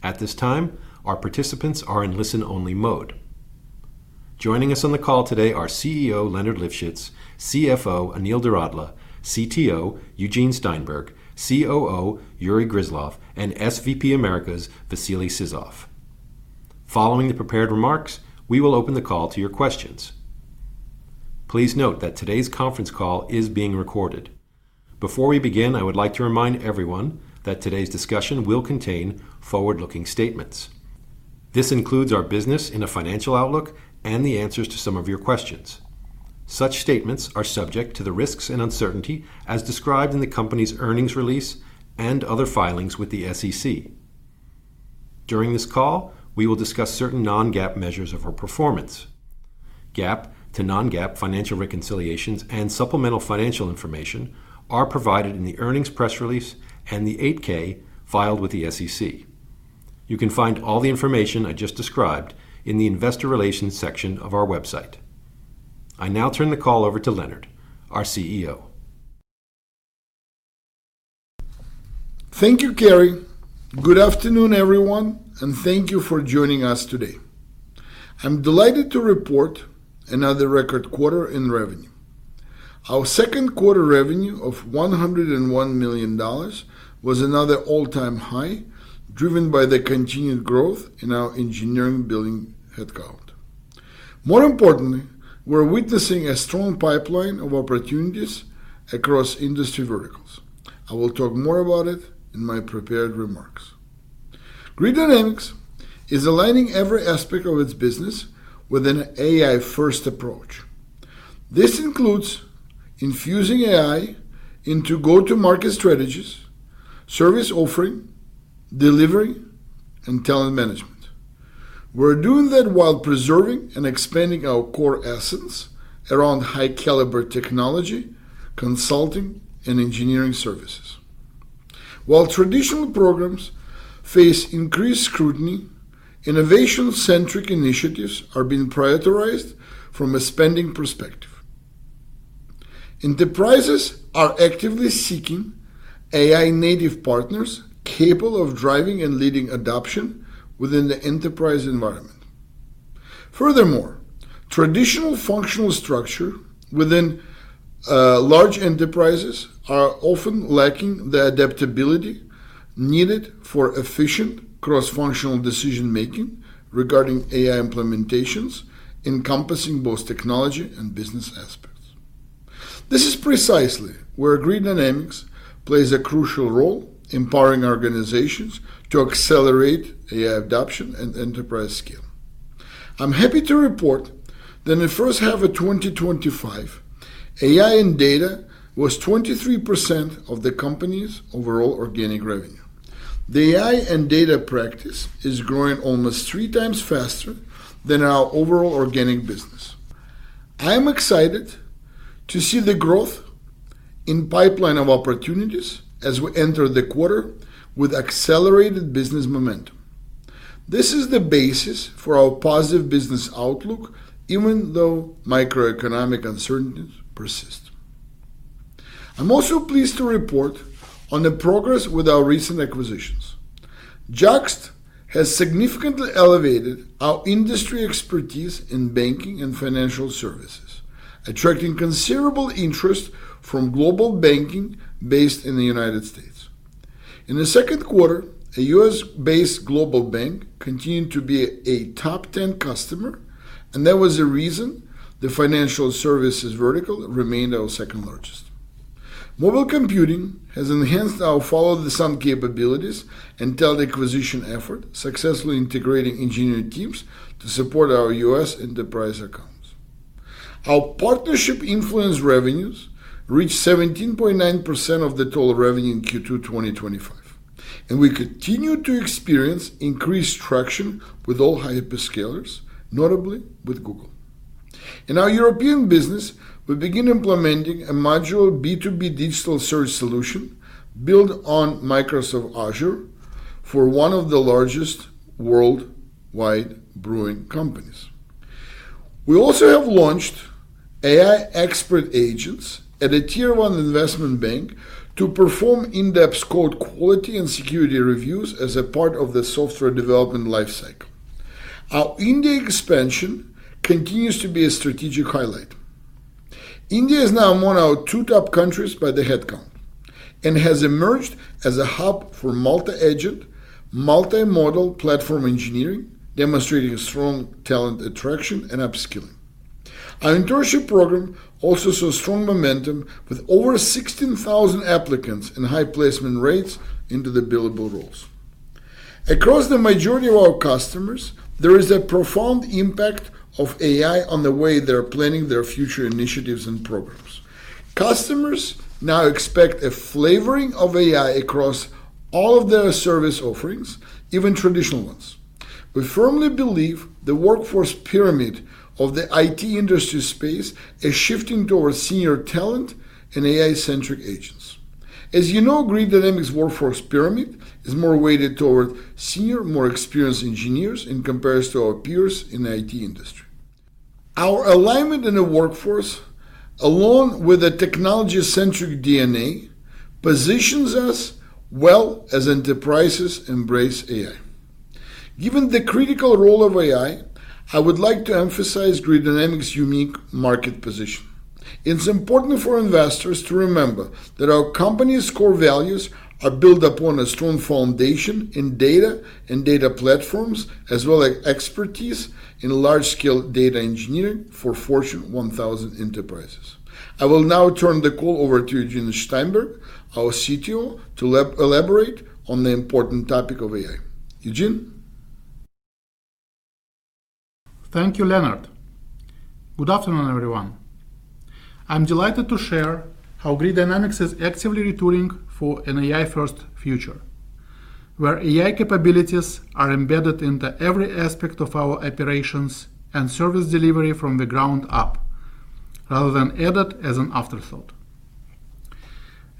At this time our participants are in listen only mode. Joining us on the call today are CEO Leonard Livschitz, CFO Anil Doradla, CTO Eugene Steinberg, COO Yury Gryzlov, and SVP Americas Vasily Sizov. Following the prepared remarks, we will open the call to your questions. Please note that today's conference call is being recorded. Before we begin, I would like to remind everyone that today's discussion will contain forward looking statements. This includes our business and financial outlook and the answers to some of your questions. Such statements are subject to the risks and uncertainty as described in the company's earnings release and other filings with the SEC. During this call, we will discuss certain non-GAAP measures of our performance. GAAP to non-GAAP financial reconciliations and supplemental financial information are provided in the earnings press release and the 8-K filed with the SEC. You can find all the information I just described in the Investor Relations section of our website. I now turn the call over to Leonard, our CEO. Thank you, Cary. Good afternoon, everyone, and thank you for joining us today. I'm delighted to report another record quarter in revenue. Our second quarter revenue of $101 million was another all-time high, driven by the continued growth in our engineering building headcount. More importantly, we're witnessing a strong pipeline of opportunities across industry verticals. I will talk more about it in my prepared remarks. Grid Dynamics is aligning every aspect of its business with an AI-first approach. This includes infusing AI into go-to-market strategies, service offering delivery, and talent management. We're doing that while preserving and expanding our core essence around high-caliber technology consulting and engineering services. While traditional programs face increased scrutiny, innovation-centric initiatives are being prioritized from a spending perspective. Enterprises are actively seeking AI-native partners capable of driving and leading adoption within the enterprise environment. Furthermore, traditional functional structure within large enterprises are often lacking the adaptability needed for efficient cross-functional decision making regarding AI implementations encompassing both technology and business aspects. This is precisely where Grid Dynamics plays a crucial role, empowering organizations to accelerate AI adoption at enterprise scale. I'm happy to report that in the first half of 2025, AI and data was 23% of the company's overall organic revenue. The AI and data practice is growing almost three times faster than our overall organic business. I am excited to see the growth in pipeline of opportunities as we enter the quarter with accelerated business momentum. This is the basis for our positive business outlook, even though microeconomic uncertainties persist. I'm also pleased to report on the progress with our recent acquisitions. JUXT has significantly elevated our industry expertise in banking and financial services, attracting considerable interest from global banking based in the United States. In the second quarter, a U.S.-based global bank continued to be a top 10 customer, and that was the reason the financial services vertical remained our second largest. Mobile Computing has enhanced our follow-the-sun capabilities and talent acquisition effort, successfully integrating engineering teams to support our U.S. enterprise accounts. Our partnership influence revenues reached 17.9% of the total revenue in Q2 2025, and we continue to experience increased traction with all hyperscalers, notably with Google in our European business. We begin implementing a modular B2B digital search solution built on Microsoft Azure for one of the largest worldwide brewing companies. We also have launched AI expert agents at a Tier one investment bank to perform in-depth code quality and security reviews as a part of the software development lifecycle. Our India expansion continues to be a strategic highlight. India is now among our two top countries by headcount and has emerged as a hub for multi-agent, multimodal platform engineering, demonstrating strong talent attraction and upskilling. Our internship program also shows strong momentum with over 16,000 applicants and high placement rates into the billable roles across the majority of our customers. There is a profound impact of AI on the way they're planning their future initiatives and programs. Customers now expect a flavoring of AI across all of their service offerings, even traditional ones. We firmly believe the workforce pyramid of the IT industry space is shifting towards senior talent and AI-centric agents. As you know, Grid Dynamics workforce pyramid is more weighted toward senior, more experienced engineers in comparison to our peers in the IT industry. Our alignment in the workforce along with a technology-centric DNA positions us well as enterprises embrace AI. Given the critical role of AI, I would like to emphasize Grid Dynamics unique market position. It's important for investors to remember that our company's core values are built upon a strong foundation in data and data platforms as well as expertise in large-scale data engineering for Fortune 1000 enterprises. I will now turn the call over to Eugene Steinberg, our Chief Technology Officer, to elaborate on the important topic of AI. Eugene. Thank you Leonard. Good afternoon everyone. I'm delighted to share how Grid Dynamics is actively retooling for an AI-first future where AI capabilities are embedded into every aspect of our operations and service delivery from the ground up rather than added as an afterthought.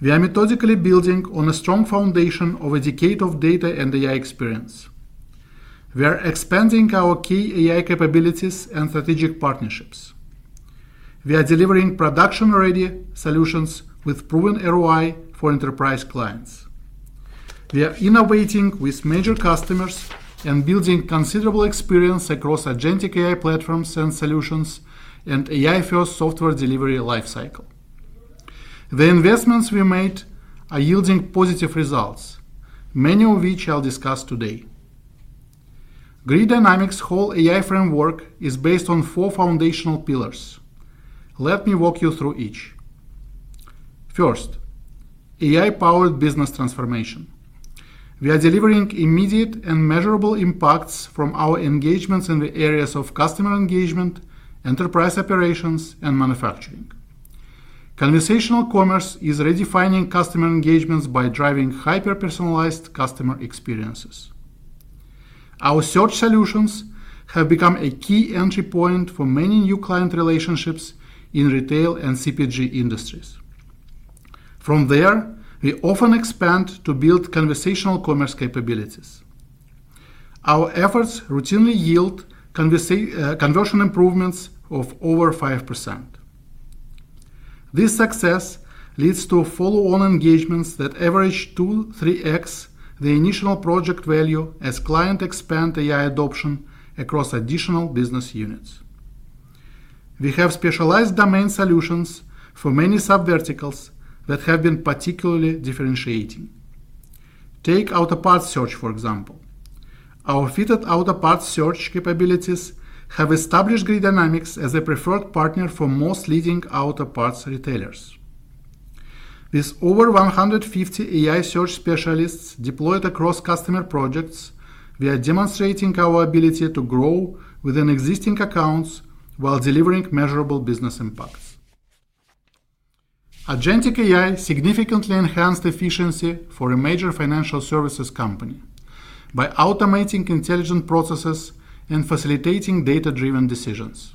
We are methodically building on a strong foundation of a decade of data and AI experience. We are expanding our key AI capabilities and strategic partnerships. We are delivering production-ready solutions with proven ROI for enterprise clients, we are innovating with major customers and building considerable experience across agentic AI platforms and solutions and AI-first software delivery lifecycle. The investments we made are yielding positive results, many of which I'll discuss today. Grid Dynamics' whole AI framework is based on four foundational pillars. Let me walk you through each. First, AI-powered business transformation. We are delivering immediate and measurable impacts from our engagements in the areas of customer engagement, enterprise operations, and manufacturing. Conversational commerce is redefining customer engagements by driving hyper-personalized customer experiences. Our search solutions have become a key entry point for many new client relationships in retail and CPG industries. From there, we often expand to build conversational commerce capabilities. Our efforts routinely yield conversion improvements of over 5%. This success leads to follow-on engagements that average 2.3x the initial project value as clients expand AI adoption across additional business units. We have specialized domain solutions for many sub-verticals that have been particularly differentiating. Take auto parts search for example. Our fitted auto parts search capabilities have established Grid Dynamics as a preferred partner for most leading auto parts retailers. With over 150 AI search specialists deployed across customer projects, we are demonstrating our ability to grow within existing accounts while delivering measurable business impacts. Agentic AI significantly enhanced efficiency for a major financial services company by automating intelligent processes and facilitating data-driven decisions.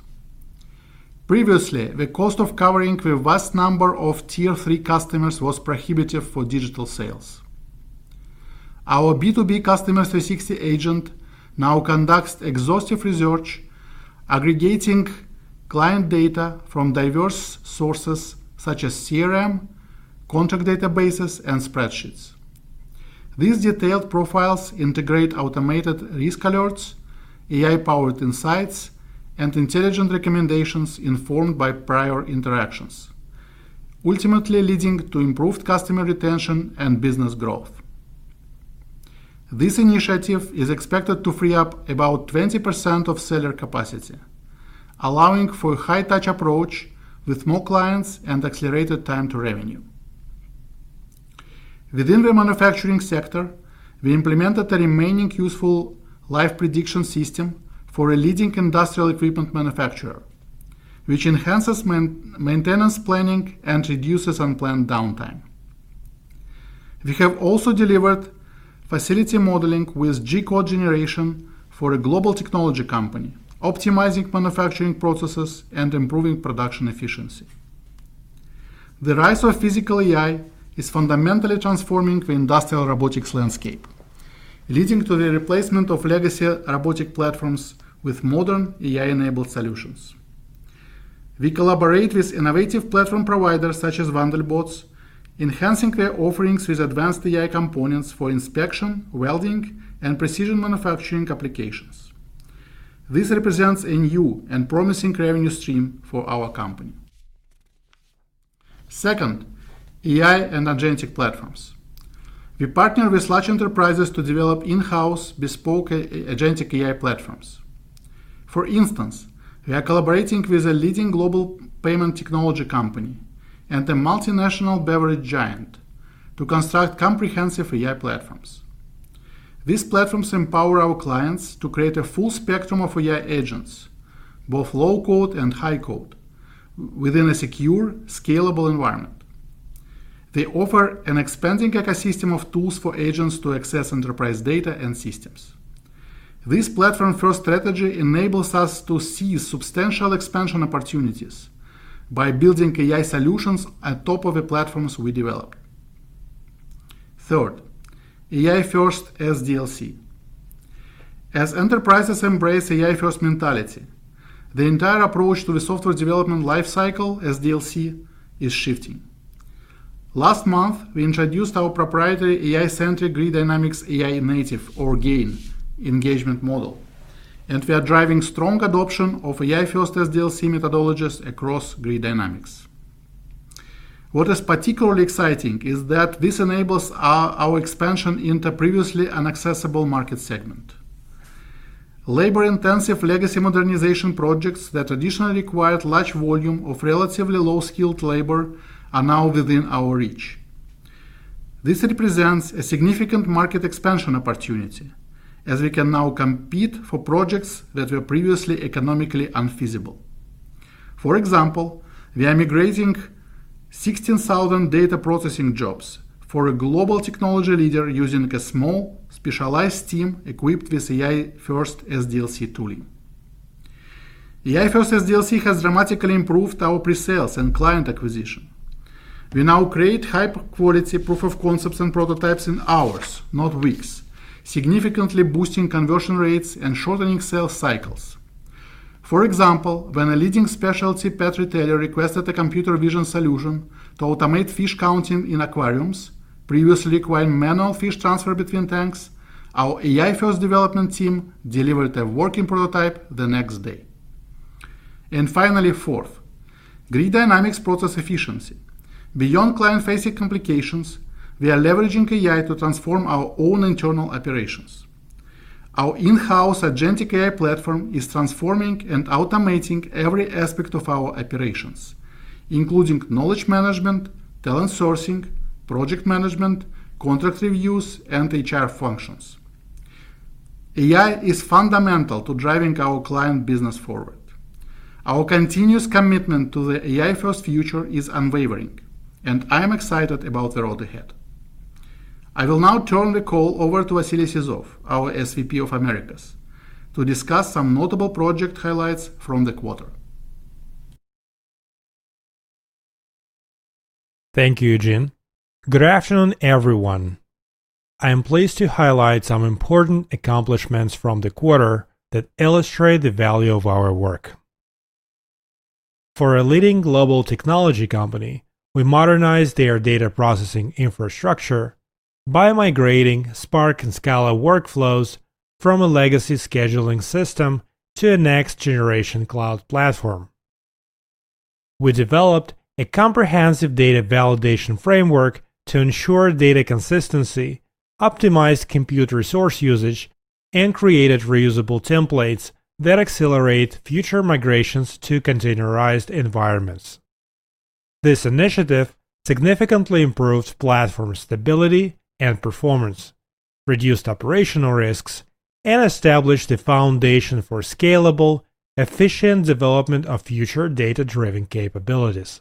Previously, the cost of covering the vast number of tier 3 customers was prohibitive for digital sales. Our B2B customer 360 agent now conducts exhaustive research, aggregating client data from diverse sources such as CRM, contact databases, and spreadsheets. These detailed profiles integrate automated risk alerts, AI-powered insights, and intelligent recommendations informed by prior interactions, ultimately leading to improved customer retention and business growth. This initiative is expected to free up about 20% of seller capacity, allowing for a high-touch approach with more clients and accelerated time to revenue within the manufacturing sector. We implemented the remaining useful life prediction system for a leading industrial equipment manufacturer, which enhances maintenance planning and reduces unplanned downtime. We have also delivered facility modeling with G code generation for a global technology company, optimizing manufacturing processes and improving production efficiency. The rise of physical AI is fundamentally transforming the industrial robotics landscape, leading to the replacement of legacy robotic platforms with modern AI-enabled solutions. We collaborate with innovative platform providers such as Vandelbots, enhancing their offerings with advanced AI components for inspection, welding, and precision manufacturing applications. This represents a new and promising revenue stream for our company. Second, AI and agentic AI platforms. We partner with large enterprises to develop in-house bespoke agentic AI platforms. For instance, we are collaborating with a leading global payment technology company and a multinational beverage giant to construct comprehensive AI platforms. These platforms empower our clients to create a full spectrum of AI agents, both low code and high code, within a secure, scalable environment. They offer an expanding ecosystem of tools for agents to access enterprise data and systems. This platform-first strategy enables us to see substantial expansion opportunities by building AI solutions on top of the platforms we develop. Third, AI-first SDLC. As enterprises embrace AI-first mentality, the entire approach to the software development lifecycle, SDLC, is shifting. Last month we introduced our proprietary AI-centric Grid Dynamics AI Native, or GAIN, engagement model and we are driving strong adoption of AI-first SDLC methodologies across Grid Dynamics. What is particularly exciting is that this enables our expansion into previously inaccessible market segments. Labor-intensive legacy systems modernization projects that additionally required large volumes of relatively low-skilled labor are now within our reach. This represents a significant market expansion opportunity as we can now compete for projects that were previously economically unfeasible. For example, we are migrating 16,000 data processing jobs for a global technology leader using a small specialized team equipped with AI-first SDLC tooling. AI-first SDLC has dramatically improved our pre-sales and client acquisition. We now create high-quality proof of concepts and prototypes in hours, not weeks, significantly boosting conversion rates and shorter sales cycles. For example, when a leading specialty pet retailer requested a computer vision solution to automate fish counting in aquariums, previously requiring manual fish transfer between tanks, our AI-first development team delivered a working prototype the next day. Fourth, Grid Dynamics process efficiency. Beyond client-facing complications, we are leveraging AI to transform our own internal operations. Our in-house agentic AI platform is transforming and automating every aspect of our operations, including knowledge management, talent sourcing, project management, contract reviews, and HR functions. AI is fundamental to driving our client business forward. Our continuous commitment to the AI-first future is unwavering and I'm excited about the road ahead. I will now turn the call over to Vasily Sizov, our SVP of Americas, to discuss some notable project highlights from the quarter. Thank you, Eugene. Good afternoon everyone. I am pleased to highlight some important accomplishments from the quarter that illustrate the value of our work for a leading global technology company. We modernized their data processing infrastructure by migrating Spark and Scala workflows from a legacy scheduling system to a next generation cloud platform. We developed a comprehensive data validation framework to ensure data consistency, optimized compute resource usage, and created reusable templates that accelerate future migrations to containerized environments. This initiative significantly improved platform stability and performance, reduced operational risks, and established the foundation for scalable, efficient development of future data driven capabilities.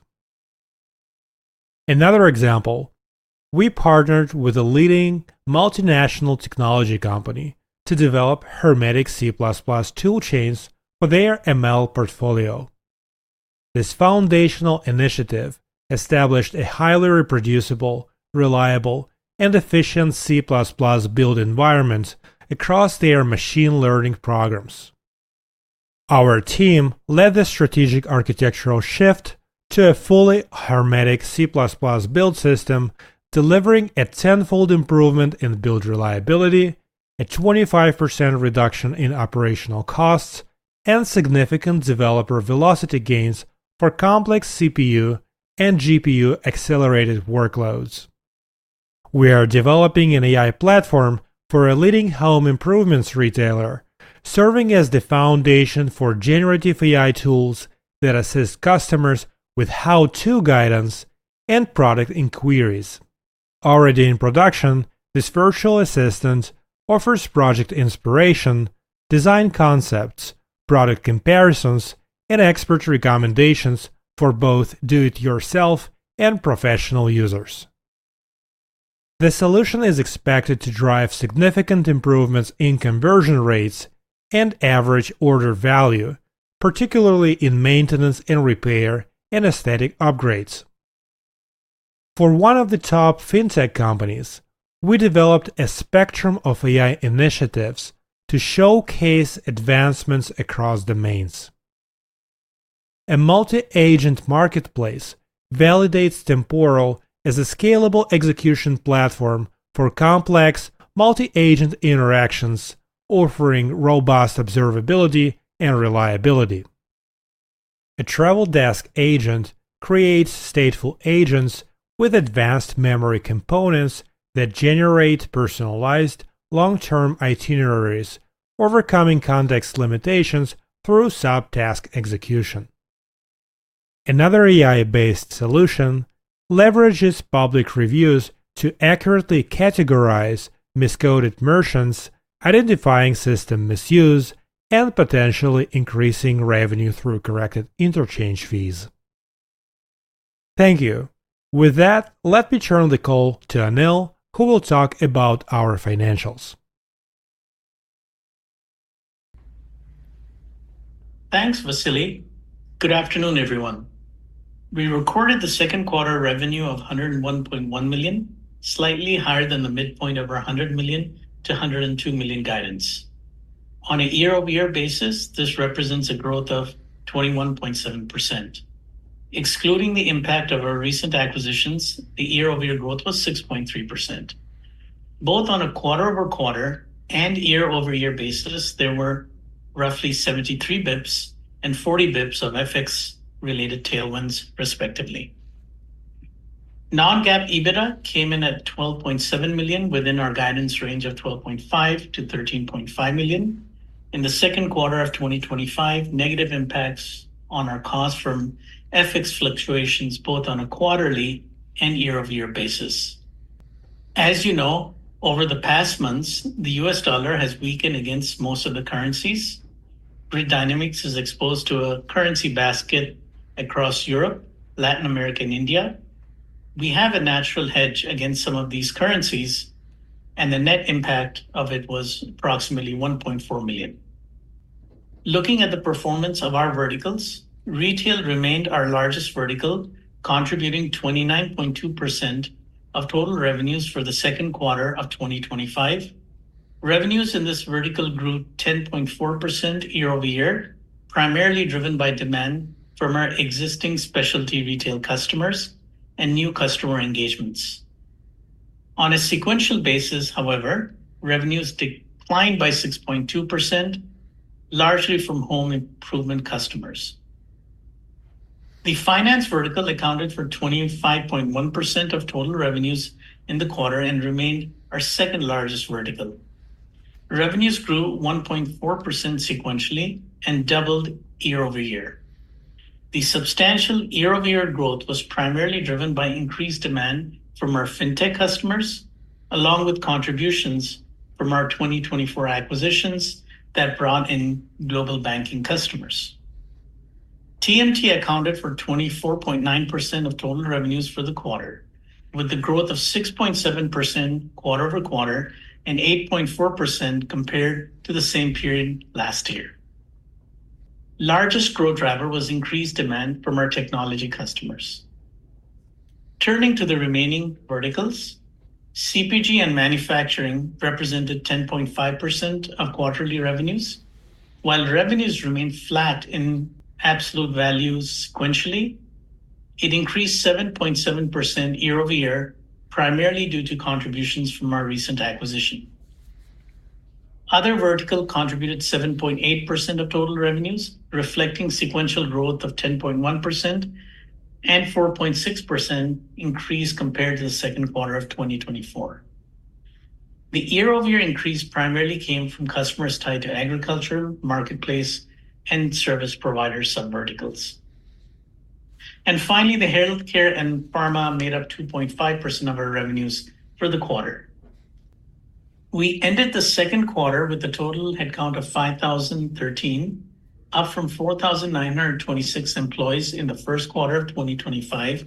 Another example, we partnered with a leading multinational technology company to develop hermetic C tool chains for their ML portfolio. This foundational initiative established a highly reproducible, reliable, and efficient C build environment across their machine learning programs. Our team led the strategic architectural shift to a fully harmonic C build system, delivering a tenfold improvement in build reliability, a 25% reduction in operational costs, and significant developer velocity gains for complex CPU and GPU accelerated workloads. We are developing an AI platform for a leading home improvements retailer, serving as the foundation for generative AI tools that assist customers with how to guidance and product inquiries. Already in production, this virtual assistant offers project inspiration, design concepts, product comparisons, and expert recommendations for both do it yourself and professional users. The solution is expected to drive significant improvements in conversion rates and average order value, particularly in maintenance and repair and aesthetic upgrades. For one of the top fintech companies, we developed a spectrum of AI initiatives to showcase advancements across domains. A multi agent marketplace validates temporal as a scalable execution platform for complex multi agent interactions, offering robust observability and reliability. A travel desk agent creates stateful agents with advanced memory components that generate personalized long term itineraries, overcoming context limitations through sub task execution. Another AI-based solution leverages public reviews to accurately categorize miscoded merchants, identifying system misuse and potentially increasing revenue through corrected interchange fees. Thank you. With that, let me turn the call to Anil, who will talk about our financials. Thanks, Vasily. Good afternoon, everyone. We recorded the second quarter revenue of $101.1 million, slightly higher than the midpoint of our $100 million-$102 million guidance. On a year-over-year basis, this represents a growth of 21.7% excluding the impact of our recent acquisitions. The year-over-year growth was 6.3% both on a quarter-over-quarter and year-over-year basis. There were roughly 73 basis points and 40 basis points of FX-related tailwinds, respectively. Non-GAAP EBITDA came in at $12.7 million, within our guidance range of $12.5 million-$13.5 million in the second quarter of 2025. Negative impacts on our cost from FX fluctuations occurred both on a quarterly and year-over-year basis. As you know, over the past months the U.S. Dollar has weakened against most of the currencies. Grid Dynamics is exposed to a currency basket across Europe, Latin America, and India. We have a natural hedge against some of these currencies, and the net impact of it was approximately $1.4 million. Looking at the performance of our verticals, retail remained our largest vertical, contributing 29.2% of total revenues for the second quarter of 2025. Revenues in this vertical grew 10.4% year-over-year, primarily driven by demand from our existing specialty retail customers and new customer engagements on a sequential basis. However, revenues declined by 6.2%, largely from home improvement customers. The finance vertical accounted for 25.1% of total revenues in the quarter and remained our second largest vertical. Revenues grew 1.4% sequentially and doubled year-over-year. The substantial year-over-year growth was primarily driven by increased demand from our fintech customers along with contributions from our 2024 acquisitions that brought in global banking customers. TMT accounted for 24.9% of total revenues for the quarter, with the growth of 6.7% quarter over quarter and 8.4% compared to the same period last year. The largest growth driver was increased demand from our technology customers. Turning to the remaining verticals, CPG and manufacturing represented 10.5% of quarterly revenues. While revenues remain flat in absolute values, sequentially it increased 7.7% year-over-year, primarily due to contributions from our recent acquisition. Other vertical contributed 7.8% of total revenues, reflecting sequential growth of 10.1% and a 4.6% increase compared to the second quarter of 2024. The year-over-year increase primarily came from customers tied to agriculture, marketplace, and service provider subverticals, and finally the healthcare and Pharma made up 2.5% of our revenues for the quarter. We ended the second quarter with a total headcount of 5,013, up from 4,926 employees in the first quarter of 2025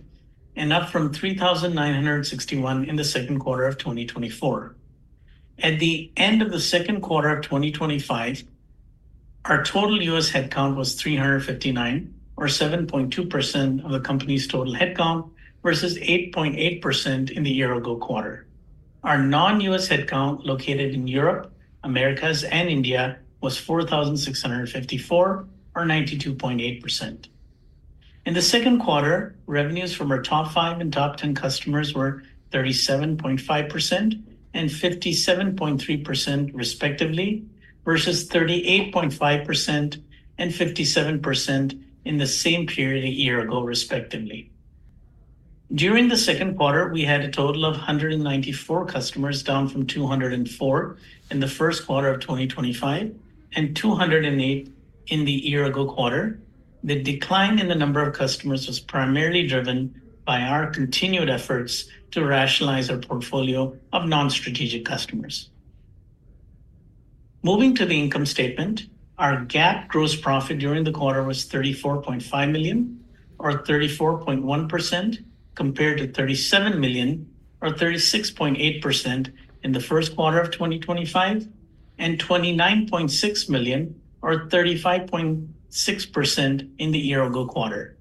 and up from 3,961 in the second quarter of 2024. At the end of the second quarter of 2025, our total U.S. headcount was 359, or 7.2% of the company's total headcount, versus 8.8% in the year ago quarter. Our non-U.S. headcount located in Europe, Americas, and India was 4,654, or 92.8% in the second quarter. Revenues from our top 5 and top 10 customers were 37.5% and 57.3%, respectively, versus 38.5% and 57% in the same period a year ago, respectively. During the second quarter, we had a total of 194 customers, down from 204 in the first quarter of 2025 and 208 in the year ago quarter. The decline in the number of customers was primarily driven by our continued efforts to rationalize our portfolio of non-strategic customers. Moving to the income statement, our GAAP gross profit during the quarter was $34.5 million, or 34.1%, compared to $37 million, or 36.8%, in the first quarter of 2025 and $29.6 million, or 35.56%, in the year ago quarter.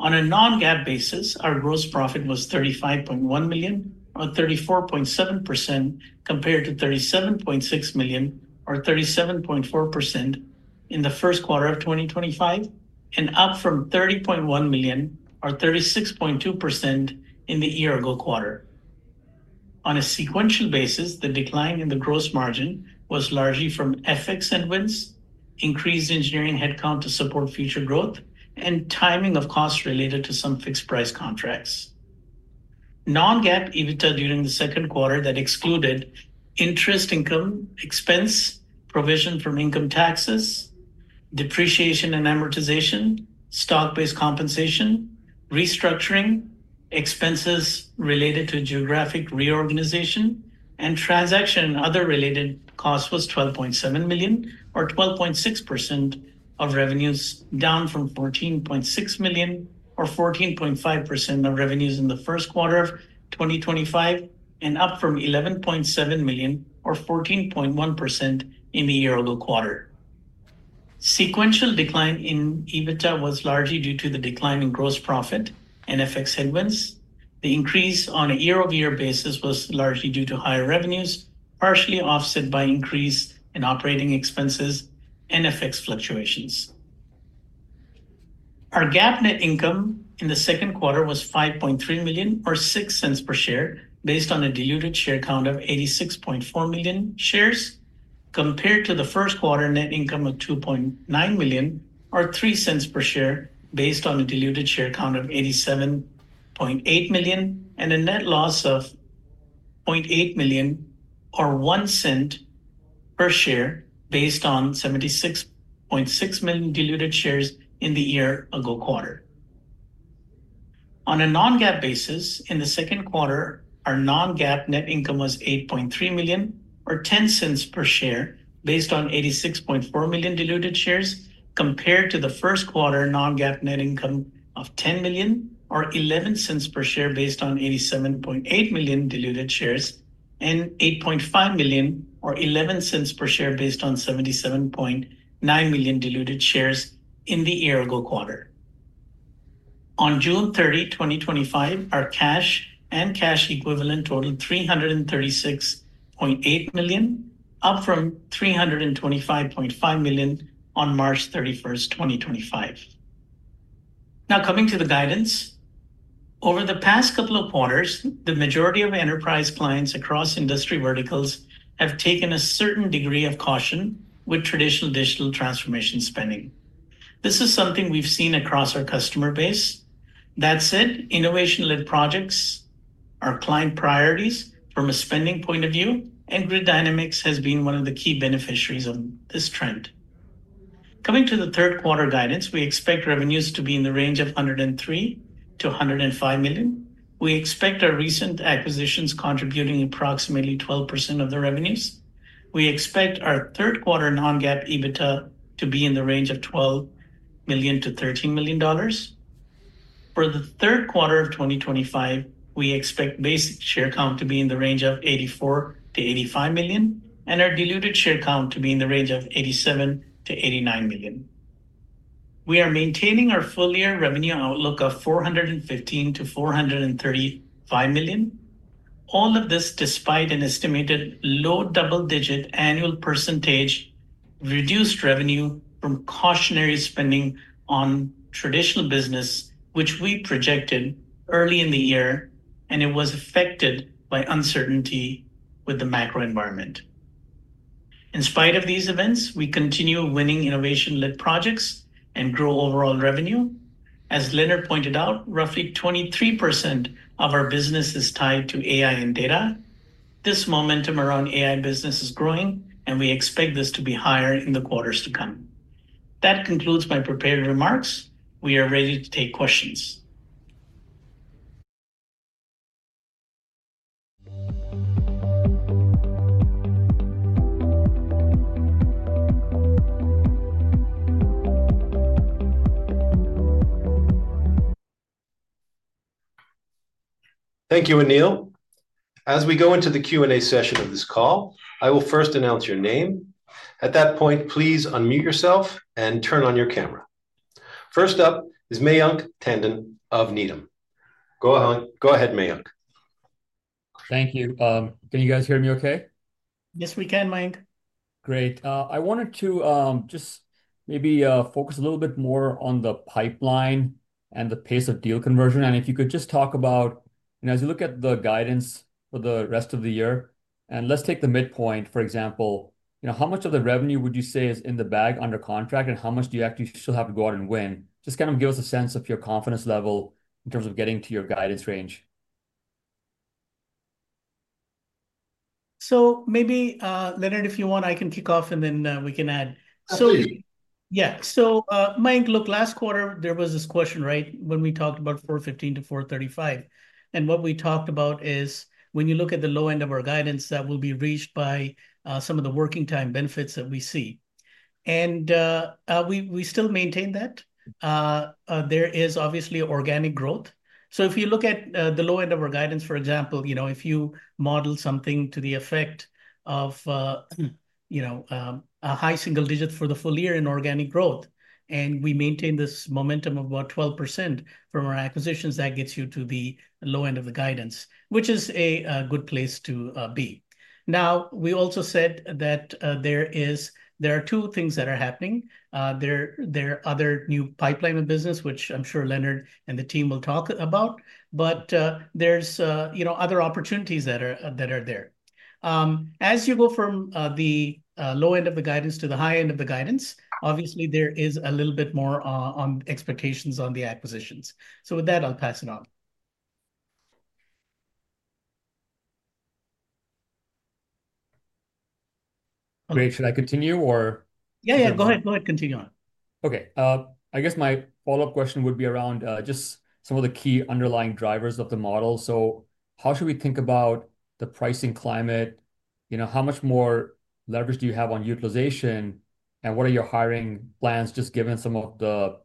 On a non-GAAP basis, our gross profit was $35.1 million, or 34.7%, compared to $37.6 million, or 37.4%, in the first quarter of 2025 and up from $30.1 million, or 36.2%, in the year ago quarter. On a sequential basis, the decline in the gross margin was largely from FX and wins, increased engineering headcount to support future growth, and timing of costs related to some fixed price contracts. Non-GAAP EBITDA during the second quarter that excluded interest income, expense, provision from income taxes, depreciation and amortization, stock-based compensation, restructuring expenses related to geographic reorganization, and transaction and other related costs was $12.7 million, or 12.6% of revenues, down from $14.6 million, or 14.5% of revenues, in the first quarter of 2025 and up from $11.7 million, or 14.1%, in the year over quarter. Sequential decline in EBITDA was largely due to the decline in gross profit and FX headwinds. The increase on a year-over-year basis was largely due to higher revenues, partially offset by increase in operating expenses and FX fluctuations. Our GAAP net income in the second quarter was $5.3 million or $0.06 per share based on a diluted share count of 86.4 million shares, compared to the first quarter net income of $2.9 million or $0.03 per share based on a diluted share count of 87.8 million and a net loss of $0.8 million or $0.01 per share based on 76.6 million diluted shares in the year-ago quarter. On a non-GAAP basis in the second quarter, our non-GAAP net income was $8.3 million or $0.10 per share based on 86.4 million diluted shares, compared to the first quarter non-GAAP net income of $10 million or $0.11 per share based on 87.8 million diluted shares and $8.5 million or $0.11 per share based on 77.9 million diluted shares in the year-ago quarter. On June 30, 2025, our cash and cash equivalents totaled $336.8 million, up from $325.5 million on March 31, 2025. Now coming to the guidance. Over the past couple of quarters, the majority of enterprise clients across industry verticals have taken a certain degree of caution with traditional digital transformation spending. This is something we've seen across our customer base. That said, innovation-led projects are client priorities from a spending point of view, and Grid Dynamics has been one of the key beneficiaries of this trend. Coming to the third quarter guidance, we expect revenues to be in the range of $103 million-$105 million. We expect our recent acquisitions contributing approximately 12% of the revenues. We expect our third quarter non-GAAP EBITDA to be in the range of $12 million-$13 million. For the third quarter of 2025, we expect basic share count to be in the range of 84 million-85 million and our diluted share count to be in the range of 87 million-89 million. We are maintaining our full year revenue outlook of $415 million-$435 million. All of this despite an estimated low double-digit annual % reduced revenue from cautionary spending on traditional business, which we projected early in the year, and it was affected by uncertainty with the macro environment. In spite of these events, we continue winning innovation-led projects and grow overall revenue. As Leonard pointed out, roughly 23% of our business is tied to AI and data. This momentum around AI and business is growing, and we expect this to be higher in the quarters to come. That concludes my prepared remarks. We are ready to take questions. Thank you, Anil. As we go into the Q and A session of this call, I will first announce your name. At that point, please unmute yourself and turn on your camera. First up is Mayank Tandon of Needham. Go ahead, Mayank. Thank you. Can you guys hear me okay? Yes, we can, Mayank. Great. I wanted to just maybe focus a little bit more on the pipeline and the pace of deal conversion. If you could just talk about as you look at the guidance for the rest of the year and let's take the midpoint for example, how much of the revenue would you say is in the bag under contract and how much do you actually still have to go out and win? Just kind of give us a sense of your confidence level in terms of getting to your guidance range. Maybe Leonard, if you want I can kick off and then we can add. Yeah. Mike, look, last quarter there was this question right when we talked about $415 million-$435 million. What we talked about is when you look at the low end of our guidance, that will be reached by some of the working time benefits that we see. We still maintain that there is obviously organic growth. If you look at the low end of our guidance, for example, if you model something to the effect of a high single digit for the full year in organic growth and we maintain this momentum of about 12% from our acquisitions, that gets you to the low end of the guidance, which is a good place to be. We also said that there are two things that are happening. There are other new pipeline of business which I'm sure Leonard and the team will talk about, but there are other opportunities that are there. As you go from the low end of the guidance to the high end of the guidance, obviously there is a little bit more on expectations on the acquisitions. With that I'll pass it on. Great. Should I continue? Yeah, go ahead, continue on. Okay. I guess my follow up question would be around just some of the key underlying drivers of the model. How should we think about the pricing climate? How much more leverage do you have on utilization and what are your hiring plans, just given some of the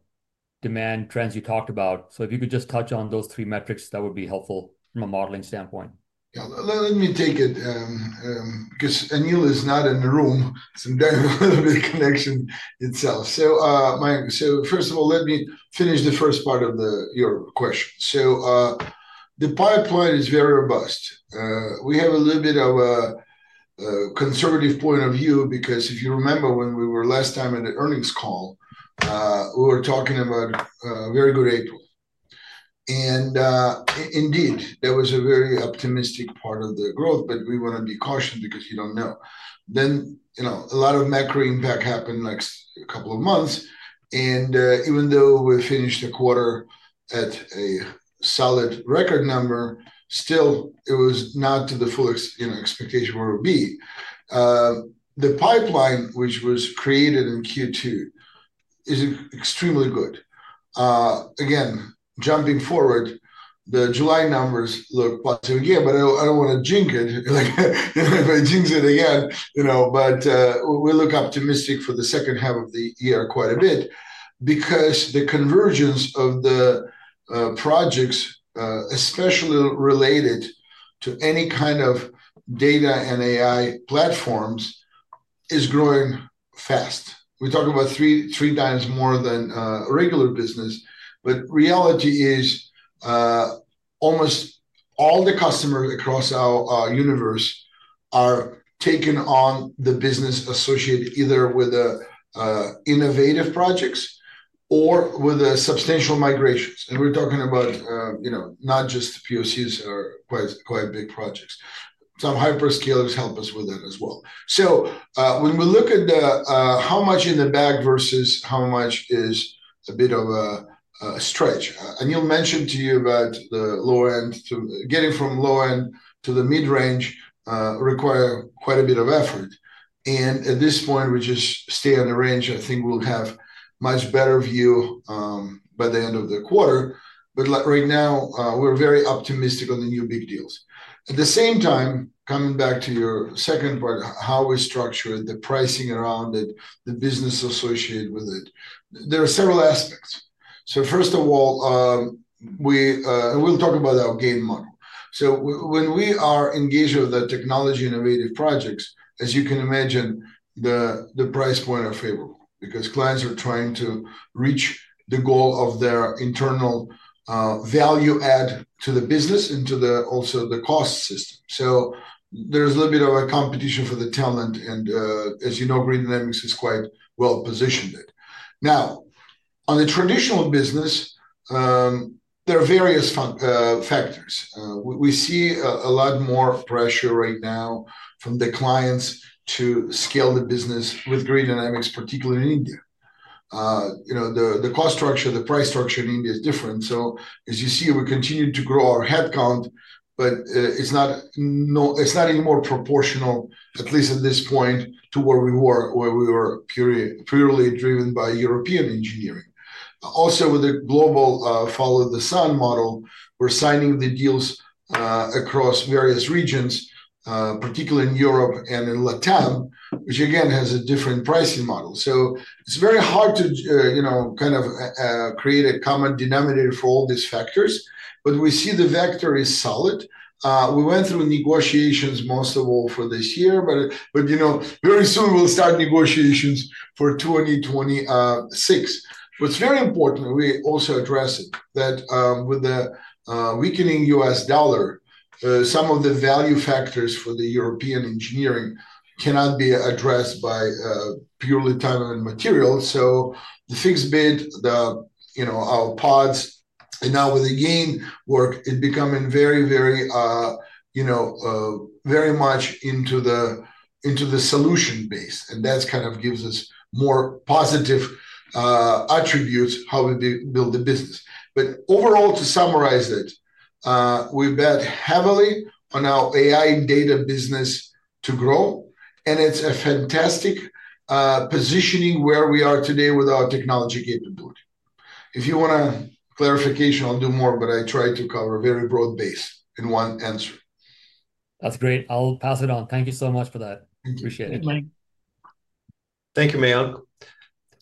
demand trends you talked about? If you could just touch on those three metrics, that would be helpful from a modeling standpoint. Yeah, let me take it because Anil is not in the room. The connection itself. Mayank, first of all, let me finish the first part of your question. The pipeline is very robust. We have a little bit of a conservative point of view because if you remember when we were last time at the earnings call, we were talking about very good and indeed that was a very optimistic part of the growth. We want to be cautious because you don't know, a lot of macro impact happened like a couple of months. Even though we finished the quarter at a solid record number, still it was not to the full expectation where it would be. The pipeline which was created in Q2 is extremely good. Again, jumping forward, the July numbers look positive. I don't want to jinx it if I jinx it again. We look optimistic for the second half of the year quite a bit because the convergence of the projects, especially related to any kind of data and AI platforms, is growing fast. We're talking about three times more than regular business. The reality is almost all the customers across our universe are taking on the business associated either with the innovative projects or with substantial migrations. We're talking about not just POCs or quite, quite big projects. Some hyperscalers help us with that as well. When we look at how much in the bag versus how much is a bit of a stretch, Anil mentioned to you about the low end to getting from low end to the mid range require quite a bit of effort and at this point we just stay on the range. I think we'll have much better view by the end of the quarter. Right now we're very optimistic on the new big deals. At the same time, coming back to your second part, how we structured the pricing around it, the business associated with it, there are several aspects. First of all, we'll talk about our GAIN (Grid Dynamics AI Native) engagement model. When we are engaged with the technology innovative projects, as you can imagine, the price point of favor because clients are trying to reach the goal of their internal value add to the business and also the cost system. There's a little bit of a competition for the talent. As you know, Grid Dynamics is quite well positioned. Now on the traditional business there are various factors. We see a lot more pressure right now from the clients to scale the business with Grid Dynamics, particularly in India. The cost structure, the price structure in India is different. As you see, we continue to grow our headcount but it's not even more proportional, at least at this point, to where we were where we were purely driven by European engineering. Also, with the global follow the sun model, we're signing the deals across various regions, particularly in Europe and in Latam, which again has a different pricing model. It's very hard to kind of create a common denominator for all these factors. We see the vector is solid. We went through negotiations most of all for this year, but very soon we'll start negotiations for 2026. What's very important, we also address it that with the weakening U.S. dollar, some of the value factors for the European engineering cannot be addressed by purely time and material. The fixed bid, the, you know, our pods and now with the GAIN work, it becoming very, very, you know, very much into the, into the solution base. That kind of gives us more positive attributes how we build the business. Overall, to summarize it, we bet heavily on our AI and data business to grow. It's a fantastic positioning where we are today with our technology capability. If you want clarification, I'll do more but I try to cover very broad base in one answer that's great. I'll pass it on. Thank you so much for that. Appreciate it. Thank you, Mayank.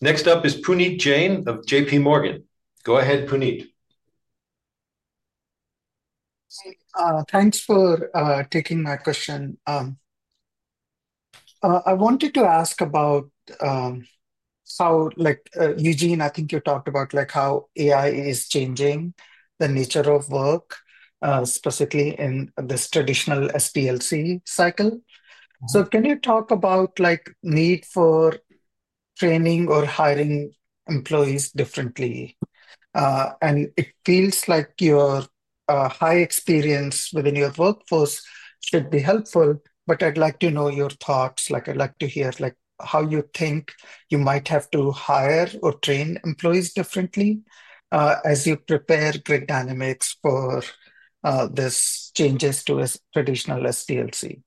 Next up is Puneet Jain of JP Morgan. Go ahead, Puneet. Thanks for taking that question. I wanted to ask about, like Eugene, I think you talked about how AI is changing the nature of work, specifically in this traditional SDLC cycle. Can you talk about need for training or hiring employees differently? It feels like your high experience within your workforce should be helpful. I'd like to know your thoughts. I'd like to hear how you think you might have to hire or train employees differently as you prepare Grid Dynamics for this changes to a traditional SDLC.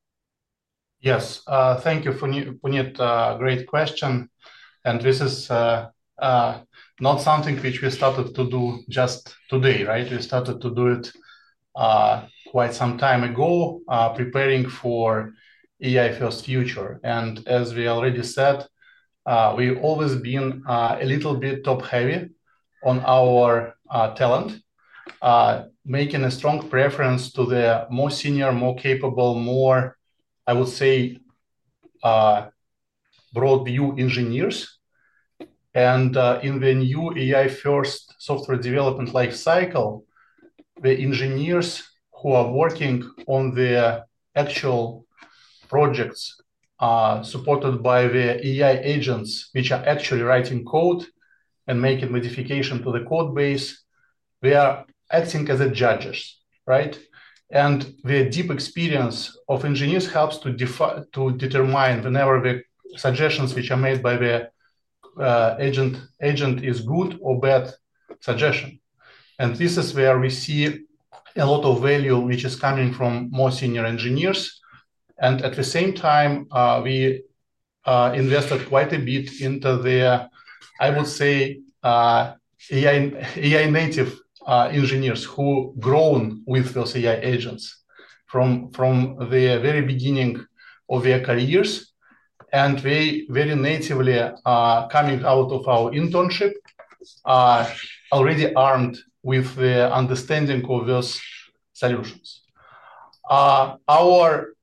Yes, thank you, Puneet. Great question. This is not something which we started to do just today, right? We started to do it quite some time ago, preparing for AI's future. As we already said, we've always been a little bit top heavy on our talent, making a strong preference to the more senior, more capable, more, I would say, broadview engineers. In the new AI-first software development life cycle, the engineers who are working on their actual projects are supported by the AI agents which are actually writing code and making modification to the code base. They are acting as judges, right? The deep experience of engineers helps to determine whenever the suggestions which are made by the agent is a good or bad suggestion. This is where we see a lot of value which is coming from more senior engineers. At the same time, we invested quite a bit into the, I would say, AI-native engineers who have grown with those AI agents from the very beginning of their careers. They very natively are coming out of our internship already armed with the understanding of those solutions. Our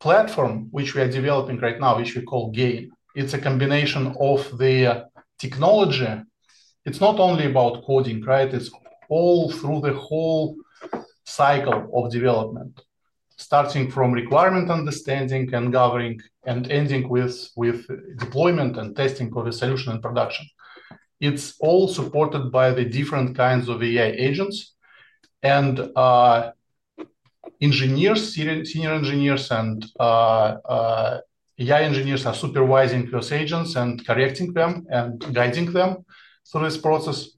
platform, which we are developing right now, which we call GAIN, it's a combination of the technology. It's not only about coding. It's all through the whole cycle of development, starting from requirement, understanding and gathering, and ending with deployment and testing of a solution in production. It's all supported by the different kinds of AI agents and engineers. Senior engineers and AI engineers are supervising cross agents and correcting them and guiding them through this process.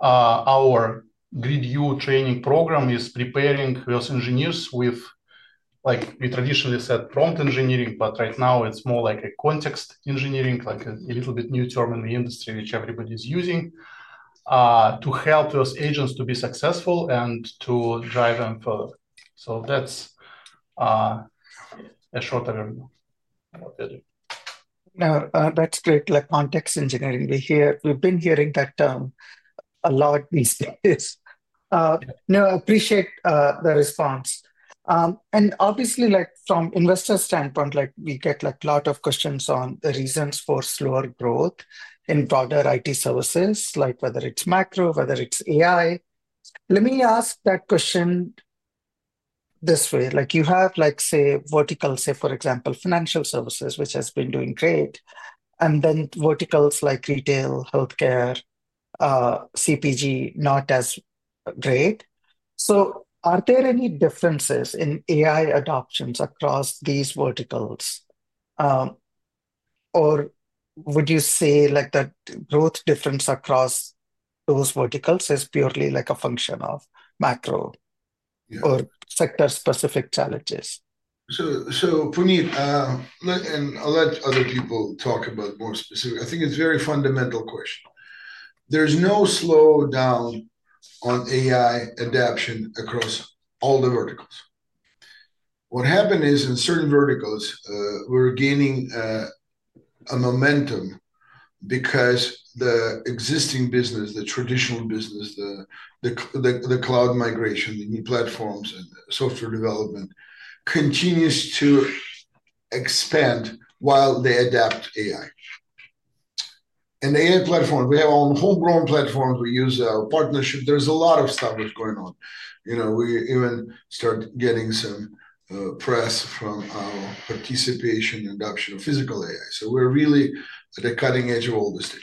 Our Grid U training program is preparing those engineers with, like we traditionally said, prompt engineering. Right now it's more like a context engineering, like a little bit new term in the industry which everybody's using to help U.S. agents to be successful and to drive them further. That's a shorter review. Now. That's great, like context engineering. We've been hearing that term a lot these days. I appreciate the response. Obviously, from an investor standpoint, we get a lot of questions on reasons for slower growth in broader IT services, whether it's macro, whether it's AI. Let me ask that question this way. You have, say, verticals, for example, financial services, which has been doing great, and then verticals like retail, healthcare, CPG, not as great. Are there any differences in AI adoptions across these verticals? Would you say that growth difference across those verticals is purely a function of macro or sector-specific challenges? Puneet, I'll let other people talk about more specific. I think it's a very fundamental question. There's no slowdown on AI adoption across all the verticals. What happened is in certain verticals we're gaining momentum because the existing business, the traditional business, the cloud migration, the new platforms and software development continues to expand while they adapt AI and AI platform. We have our own homegrown platforms, we use our partnership. There's a lot of stuff that's going on. You know, we even start getting some press from our participation adoption of physical AI. We're really at the cutting edge of all this.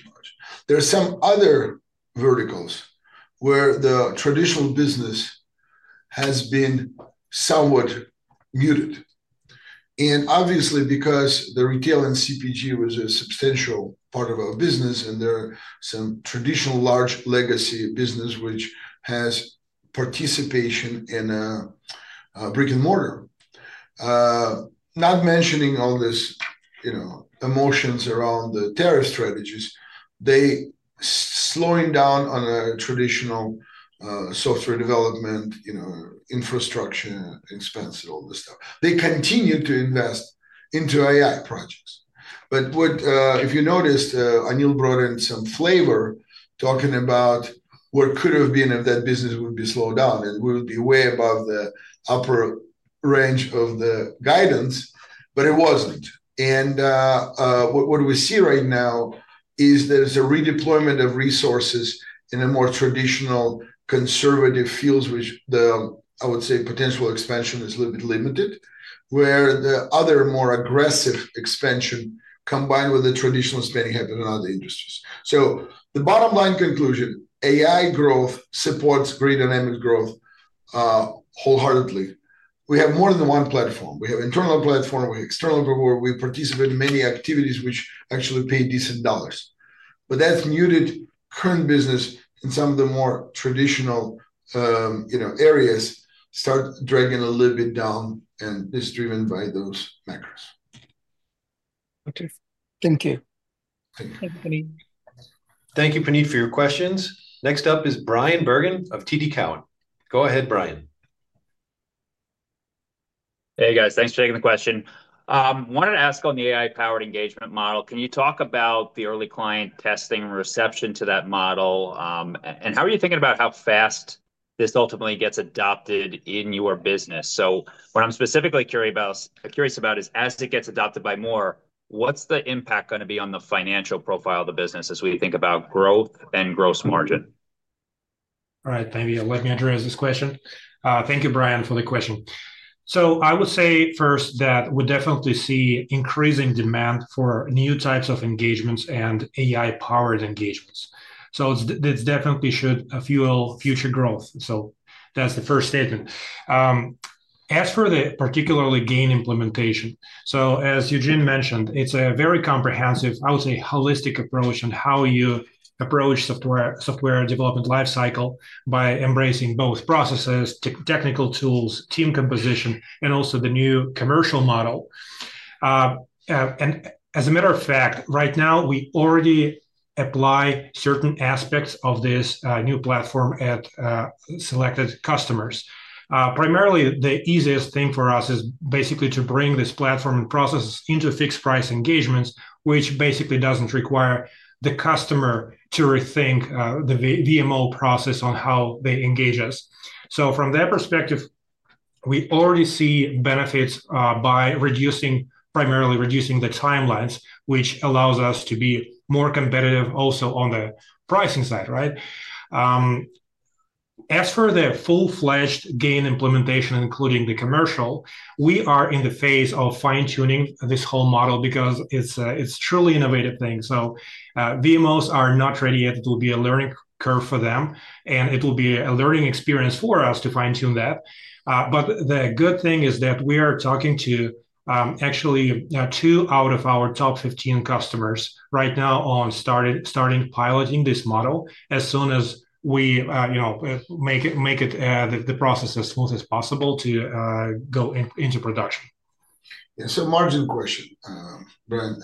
There are some other verticals where the traditional business has been somewhat muted and obviously because the retail and CPG was a substantial part of our business and there are some traditional large legacy business which has participation in brick and mortar. Not mentioning all this emotions around the tariff strategies, they're slowing down on traditional software development, infrastructure expense and all this stuff. They continue to invest into AI project. If you noticed, Anil brought in some flavor talking about where could have been if that business would be slowed down. It would be way above the upper range of the guidance. It was leaked and what we see right now is there is a redeployment of resources in more traditional conservative fields which the, I would say, potential expansion is a little bit limited where the other more aggressive expansion combined with the traditional steady hat in other industries. The bottom line conclusion, AI growth supports Grid Dynamics growth wholeheartedly. We have more than one platform. We have internal platform, external where we participate in many activities which actually pay decent dollars but that's muted. Current business in some of the more traditional areas start dragging a little bit down and is driven by those macros. Okay, thank you. Thank you, Puneet, for your questions. Next up is Bryan Bergin of TD Cowen. Go ahead, Bryan. Hey guys, thanks for taking the question. Wanted to ask on the GAIN (Grid Dynamics AI Native) engagement model, can you talk about the early client testing reception to that model, and how are you thinking about how fast this ultimately gets adopted in your business? What I'm specifically curious about is as it gets adopted by more, what's the impact going to be on the financial profile of the business as we think about growth and gross margin? All right, maybe let me address this question. Thank you, Bryan, for the question. I would say first that we definitely see increasing demand for new types of engagements and AI-powered engagements. This definitely should fuel future growth. That's the first statement. As for the particularly GAIN implementation, as Eugene mentioned, it's a very comprehensive, I would say holistic approach on how you approach software development lifecycle by embracing both processes, technical tools, team composition, and also the new commercial model. As a matter of fact, right now we already apply certain aspects of this new platform at selected customers. Primarily, the easiest thing for us is basically to bring this platform and process into fixed price engagements, which basically doesn't require the customer to rethink the VMO process on how they engage us. From that perspective, we already see benefits by primarily reducing the timelines, which allows us to be more competitive also on the pricing side. As for the full-fledged GAIN implementation including the commercial, we are in the phase of fine-tuning this whole model because it's truly an innovative thing. VMOs are not ready yet. It will be a learning curve for them, and it will be a learning experience for us to fine-tune that. The good thing is that we are talking to actually two out of our top 15 customers right now on starting piloting this model as soon as we make the process as smooth as possible to go into production. Margin question, Bryan.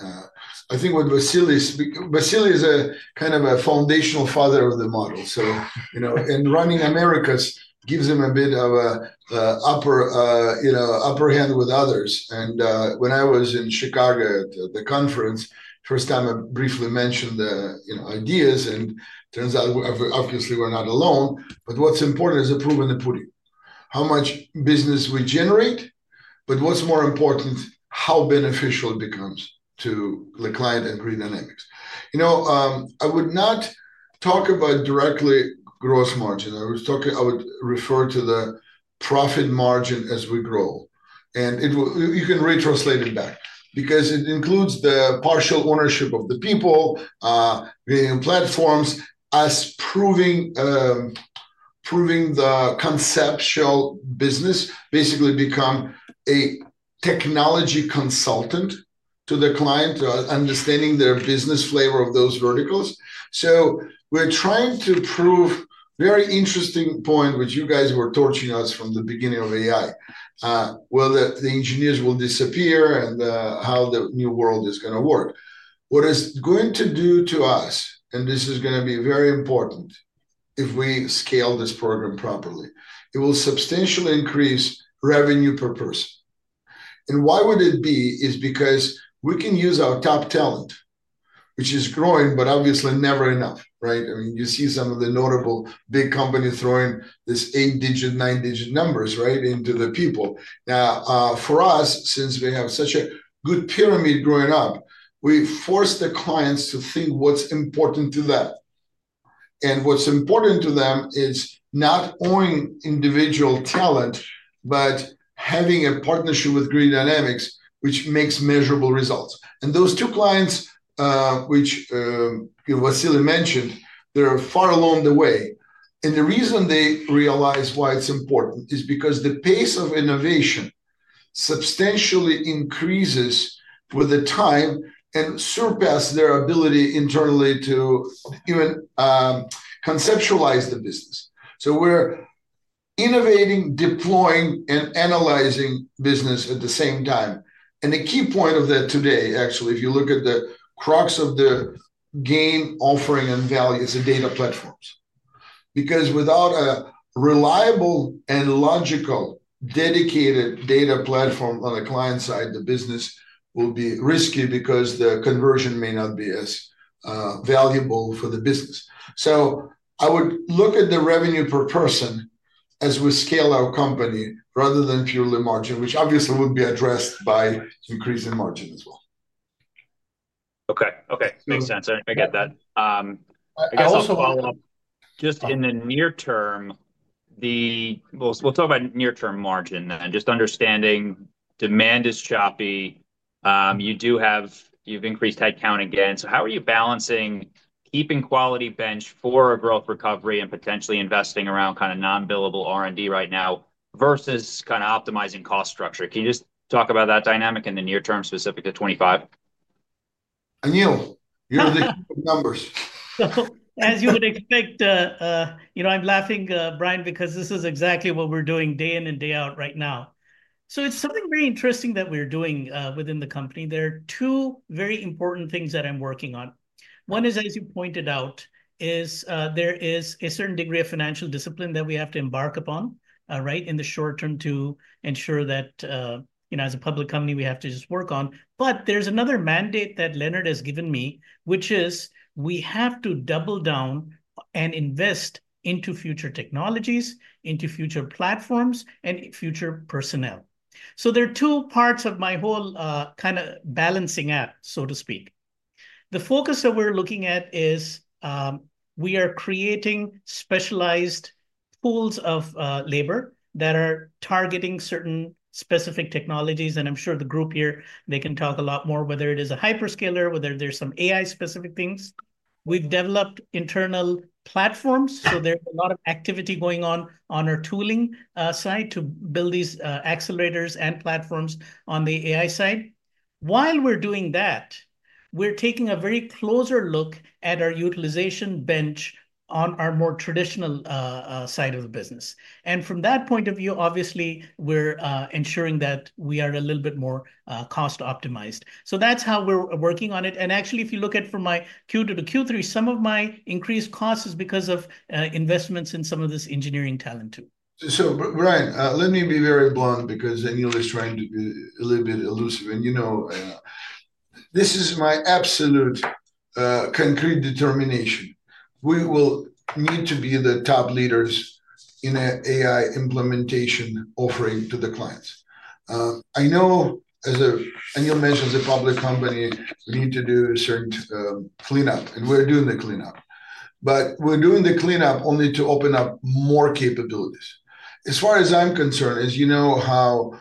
I think what Vasily is, Vasily is a kind of a foundational father of the model. You know, and running Americas gives him a bit of an upper, you know, upper hand with others. When I was in Chicago at the conference, first time I briefly mentioned the, you know, ideas and turns out obviously we're not alone. What's important is approving the pudding, how much business we generate. What's more important is how beneficial it becomes to the client and green and equity. I would not talk about directly gross margin. I was talking, I would refer to the profit margin as we grow and it will, you can retranslate it back because it includes the partial ownership of the people, Gradient platforms as proving, proving the conceptual business basically become a technology consultant to the client, understanding their business flavor of those verticals. We're trying to prove a very interesting point which you guys were torching us from the beginning of AI, that the engineers will disappear and how the new world is going to work, what it's going to do to us and this is going to be very important. If we scale this program properly, it will substantially increase revenue per person. Why would it be is because we can use our top talent, which is growing, but obviously never enough. Right. I mean, you see some of the notable big companies throwing these 8-digit, 9-digit numbers right into the people. Now for us, since we have such a good pyramid growing up, we force the clients to think what's important to them. What's important to them is not own individual talent, but having a partnership with Grid Dynamics which makes measurable results. Those two clients which Vasily mentioned, they're far along the way. The reason they realize why it's important is because the pace of innovation substantially increases with the time and surpasses their ability internally to even conceptualize the business. We're innovating, deploying, and analyzing business at the same time. The key point of that today actually, if you look at the crux of the GAIN offering and value as a data platform. Because without a reliable and logical dedicated data platform on a client side, the business will be risky because the conversion may not be as valuable for the business. I would look at the revenue per person as we scale our company rather than purely margin, which obviously would be addressed by increasing margin as well. Okay, makes sense. I get that. Just in the near term, we'll talk about near term margin then just understanding demand is choppy. You do have, you've increased headcount again. How are you balancing keeping quality bench for a growth recovery and potentially investing around kind of non billable R&D right now versus kind of optimizing cost structure? Can you just talk about that dynamic in the near term specific at 2025. Anil, you have the numbers? As you would expect. I'm laughing, Bryan, because this is exactly what we're doing day in and day out right now. It's something very interesting that we're doing within the company. There are two very important things that I'm working on. One is, as you pointed out, there is a certain degree of financial discipline that we have to embark upon in the short term to ensure that, you know, as a public company we have to just work on. There's another mandate that Leonard has given me, which is we have to double down and invest into future technologies, into future platforms, and future personnel. There are two parts of my whole kind of balancing act, so to speak. The focus that we're looking at is we are creating specialized pools of labor that are targeting certain specific technologies. I'm sure the group here can talk a lot more, whether it is a hyperscaler or whether there's some AI-specific things. We've developed internal platforms, so there's a lot of activity going on on our tooling side to build these accelerators and platforms. On the AI side, while we're doing that, we're taking a very closer look at our utilization benchmark on our more traditional side of the business. From that point of view, obviously we're ensuring that we are a little bit more cost optimized. That's how we're working on it. Actually, if you look at from my Q2 to Q3, some of my increased costs is because of investments in some of this engineering talent too. Bryan, let me be very blunt because Anil is trying to be a little bit elusive and this is my absolute concrete determination. We will need to be the top leaders in an AI implementation offering to the clients. I know as a public company we need to do a certain cleanup and we're doing the cleanup, but we're doing the cleanup only to open up more capabilities. As far as I'm concerned, as you know how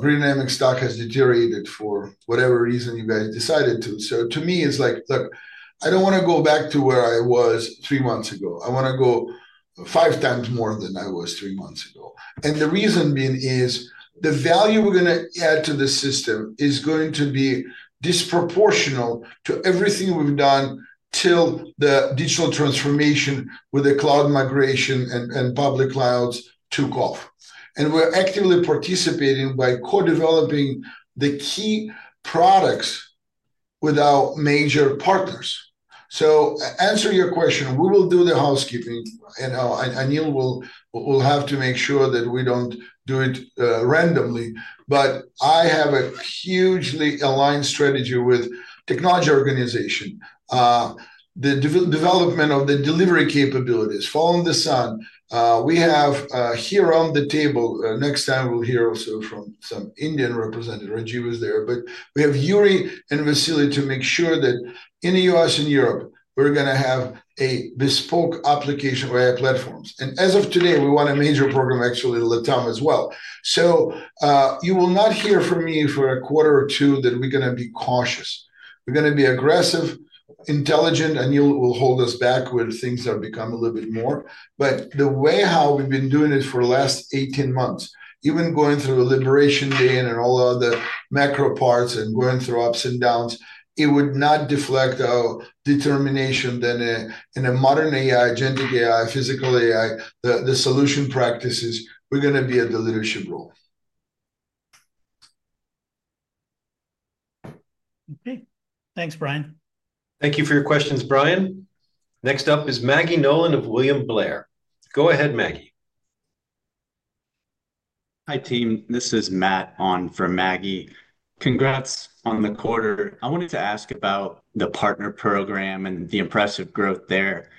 renaming stock has deteriorated for whatever reason you guys decided to. To me it's like look, I don't want to go back to where I was three months ago. I want to go five times more than I was three months ago. The reason being is the value we're going to add to the system is going to be disproportional to everything we've done till the digital transformation with the cloud migration and public clouds took off and we're actively participating by co-developing the key products with our major partners. Answering your question, we will do the housekeeping and Anil will have to make sure that we don't do it randomly. I have a hugely aligned strategy with technology organization. The development of the delivery capabilities fall in the sun we have here on the table. Next time we'll hear also from some Indian representative Rajeev there. We have Yury and Vasily to make sure that in the U.S. and Europe we're going to have a bespoke application of AI platforms and as of today we want a major program actually Latam as well. You will not hear from me for a quarter or two that we're going to be cautious, we're going to be aggressive, intelligent and you will hold us back where things have become a little bit more. The way how we've been doing it for last 18 months, even going through a liberation day and all other macro parts and going through ups and downs, it would not deflect our determination then in a modern AI, generic AI, physical AI, the solution practices, we're going to be at the leadership role. Okay, thanks Bryan. Thank you for your questions Brian. Next up is Maggie Nolan of William Blair. Go ahead, Maggie. Hi team, this is Matt on for Maggie, congrats on the quarter. I wanted to ask about the partner program and the impressive growth there.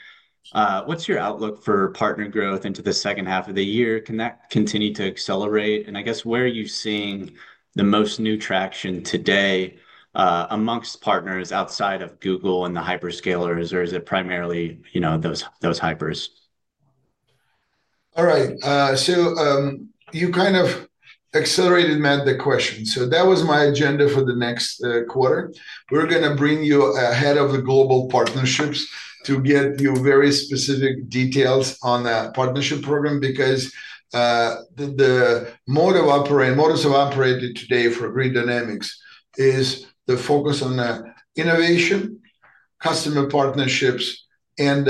What's your outlook for partner growth into the second half of the year? Can that continue to accelerate? I guess where are you seeing the most new traction today amongst partners outside of Google and the hyperscalers? Is it primarily, you know, those, those hyperscalers? All right, so you kind of accelerated. Matt, the question. That was my agenda for the next quarter. We're going to bring you ahead of the global partnerships to get you very specific details on a partnership program because the mode of operating models have operated today for Grid Dynamics is the focus on innovation, customer partnerships, and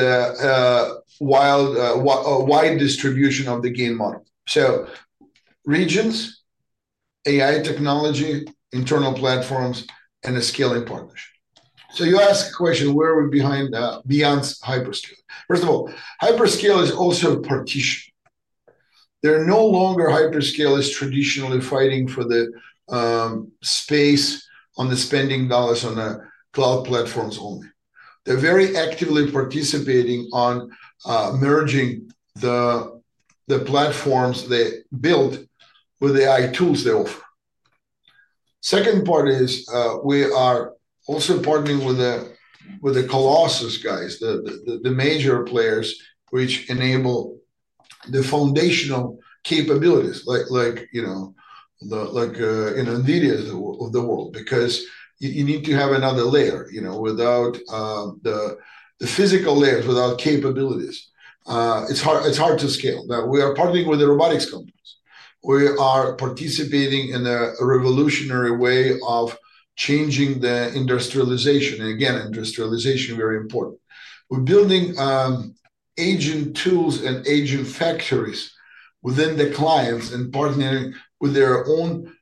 wide distribution of the GAIN model. So regions, AI technology, internal platforms, and a scaling partnership. You ask a question, where are we behind beyond hyperscale? First of all, hyperscale is also a partition. They're no longer hyperscalers traditionally fighting for the space on the spending dollars on the cloud platforms only. They're very actively participating on merging the platforms they built with AI tools they offer. The second part is we are also partnering with the Colossus guys, the major players which enable the foundational capabilities like, you know, like Nvidia of the world because you need to have another layer, you know, without the physical layers, without capabilities, it's hard, it's hard to scale. Now we are partnering with the robotics company. We are participating in a revolutionary way of changing the industrialization and again industrialization, very important. We're building agent tools and agent factories within the clients and partnering with their own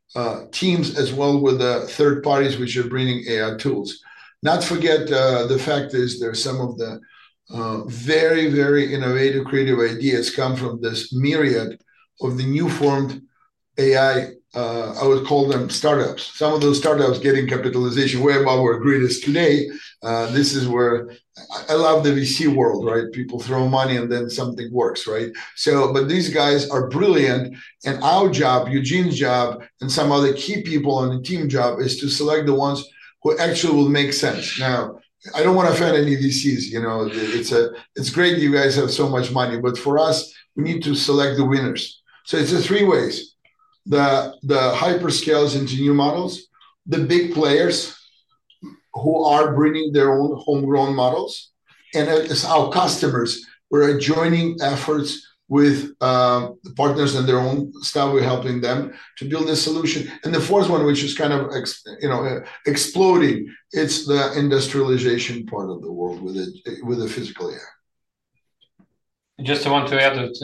teams as well with the third parties which are bringing AI tools, not forget. The fact is there's some of the very, very innovative creative ideas come from this myriad of the new formed AI. I would call them startups, some of those startups getting capitalization way above our greatest today. This is where I love the VC world, right? People throw money and then something works, right? These guys are brilliant and our job, Eugene's job and some other key people on the team job is to select the ones who actually will make sense. I don't want to offend any VCs. It's great you guys have so much money, but for us we need to select the winners. It's the three ways: the hyperscales into new models, the big players who are bringing their own homegrown models, and it's our customers. We are joining efforts with the partners and their own style. We're helping them to build this solution. The fourth one which is kind of exploding, it's the industrialization part of the world with a physical air. I just want to add that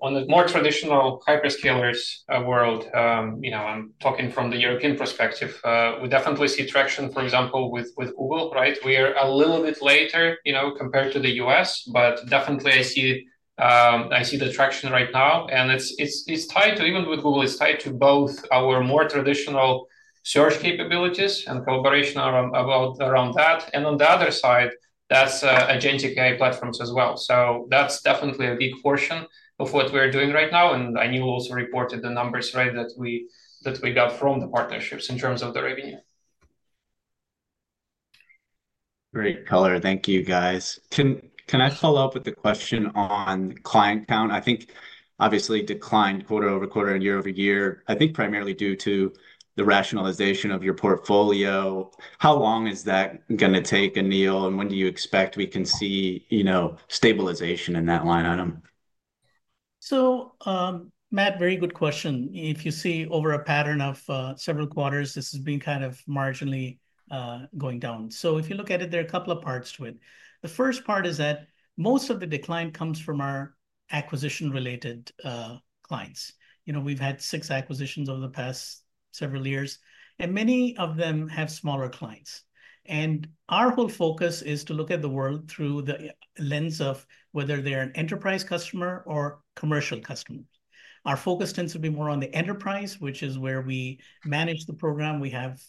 on the more traditional hyperscalers world, I'm talking from the European perspective, we definitely see traction, for example with Google, right? We are a little bit later compared to the U.S., but definitely I see the traction right now. It's tied to, even with Google, it's tied to both our more traditional search capabilities and collaboration around that. On the other side, that's agentic AI platforms as well. That's definitely a big portion of what we're doing right now. I know you also reported the numbers that we got from the partnerships in terms of the revenue. Great color. Thank you guys. Can I follow up with the question on client count? I think obviously declined quarter over quarter and year-over-year. I think primarily due to the rationalization of your portfolio. How long is that going to take, Anil, and when do you expect we can see stabilization in that line item. Matt, very good question. If you see over a pattern of several quarters, this has been kind of marginally going down. If you look at it, there are a couple of parts to it. The first part is that most of the decline comes from our acquisition-related clients. We've had six acquisitions over the past several years and many of them have smaller clients. Our whole focus is to look at the world through the lens of whether they're an enterprise customer or commercial customer. Our focus tends to be more on the enterprise, which is where we manage the program. We have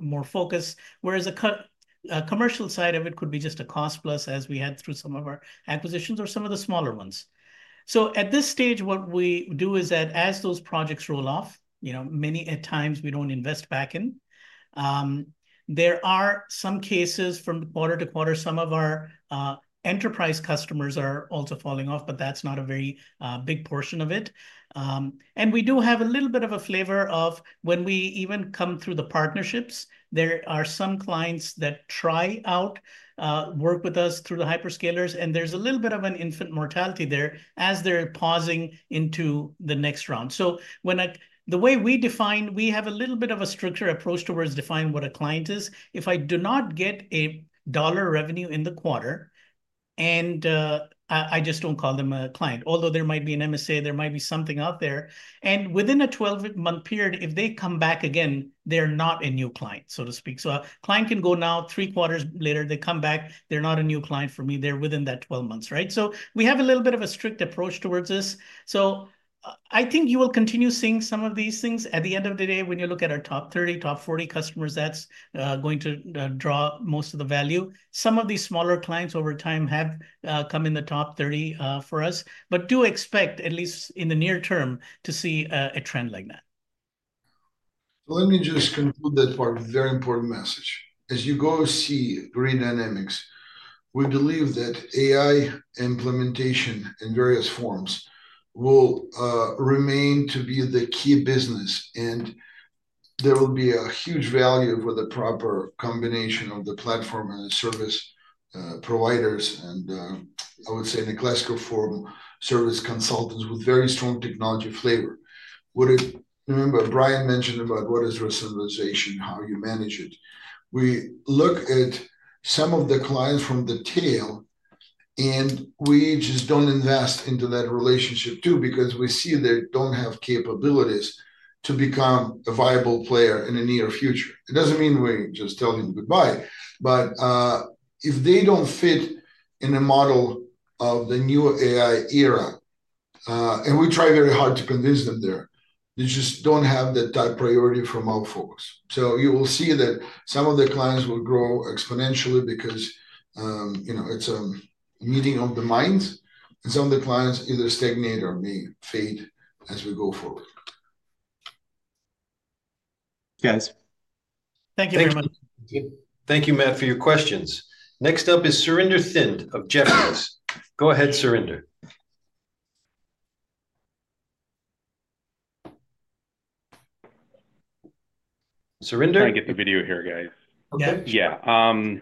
more focus, whereas a commercial side of it could be just a cost plus as we had through some of our acquisitions or some of the smaller ones. At this stage what we do is that as those projects roll off, many times we don't invest back in. There are some cases from quarter to quarter, some of our enterprise customers are also falling off. That's not a very big portion of it. We do have a little bit of a flavor of when we even come through the partnerships. There are some clients that try out work with us through the hyperscalers and there's a little bit of an infant mortality there as they're pausing into the next round. The way we define, we have a little bit of a structured approach towards defining what a client is. If I do not get a dollar revenue in the quarter, I just don't call them a client, although there might be an MSA, there might be something out there, and within a 12-month period, if they come back again, they're not a new client, so to speak. A client can go now, three quarters later they come back, they're not a new client for me, they're within that 12 months. We have a little bit of a strict approach towards this. I think you will continue seeing some of these things. At the end of the day, when you look at our top 30, top 40 customers, that's going to draw most of the value. Some of these smaller clients over time have come in the top 30 for us, but do expect at least in the near term to see a trend like that. Let me just conclude that part, very important message as you go see Grid Dynamics. We believe that AI implementation in various forms will remain to be the key business, and there will be a huge value for the proper combination of the platform and service providers. I would say in the classical form, service consultants with very strong technology flavor. Remember Brian mentioned about what is personalization, how you manage it. We look at some of the clients from the tail, and we just don't invest into that relationship too because we see they don't have capabilities to become a viable player in the near future, it doesn't mean we just tell them goodbye. If they don't fit in a model of the new AI era and we try very hard to convince them there, they just don't have that type priority from all folks. You will see that some of the clients will grow exponentially because you know, it's a meeting of the mind. Some of the clients either stagnate or may fade as we go forward. Thank you very much. Thank you, Matt, for your questions. Next up is Surinder Singh of Jefferies. Go ahead Surinder. Surinder. I get the video here, guys.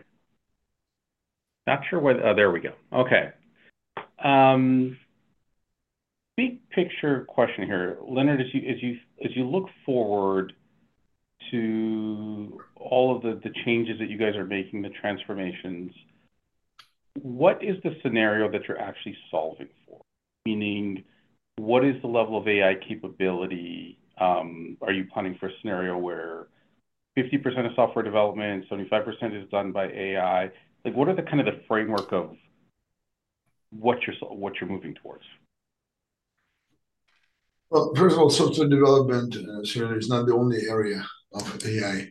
Okay. Okay, big picture question here. Leonard, as you look forward to all of the changes that you guys are making, the transformations, what is the scenario that you're actually solving? Meaning, what is the level of AI capability? Are you planning for a scenario where 50% of software development, 75% is done by AI? Like, what are the kind of the framework of what you're moving towards? First of all, social development is not the only area of AI.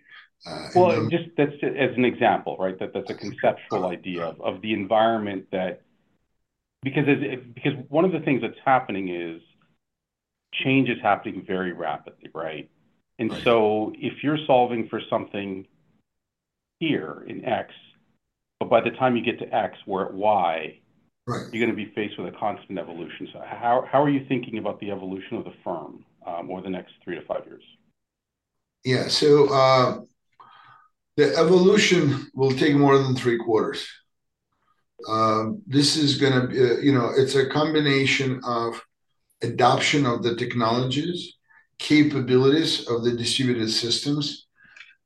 That's as an example, right. That's a conceptual idea of the environment because one of the things that's happening is change is happening very rapidly, right. If you're solving for something here in X, but by the time you get to X where at Y, you're going to be faced with a constant evolution. How are you thinking about the evolution of the firm over the next three to five years? Yeah. The evolution will take more than three quarters. This is going to be, you know, it's a combination of adoption of the technologies, capabilities of the distributed systems,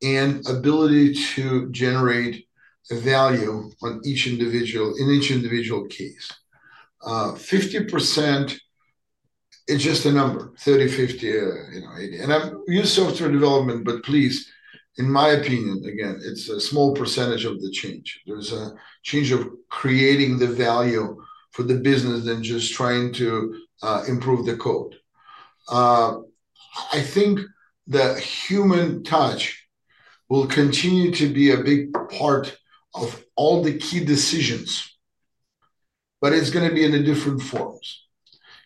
and ability to generate a value on each individual. In each individual case, 50% is just a number. 30, 50, you know, 80. I'm used software development. Please, in my opinion, again, it's a small percentage of the change. There's a change of creating the value for the business than just trying to improve the code. I think the human tonic will continue to be a big part of all the key decisions, but it's going to be in different forms.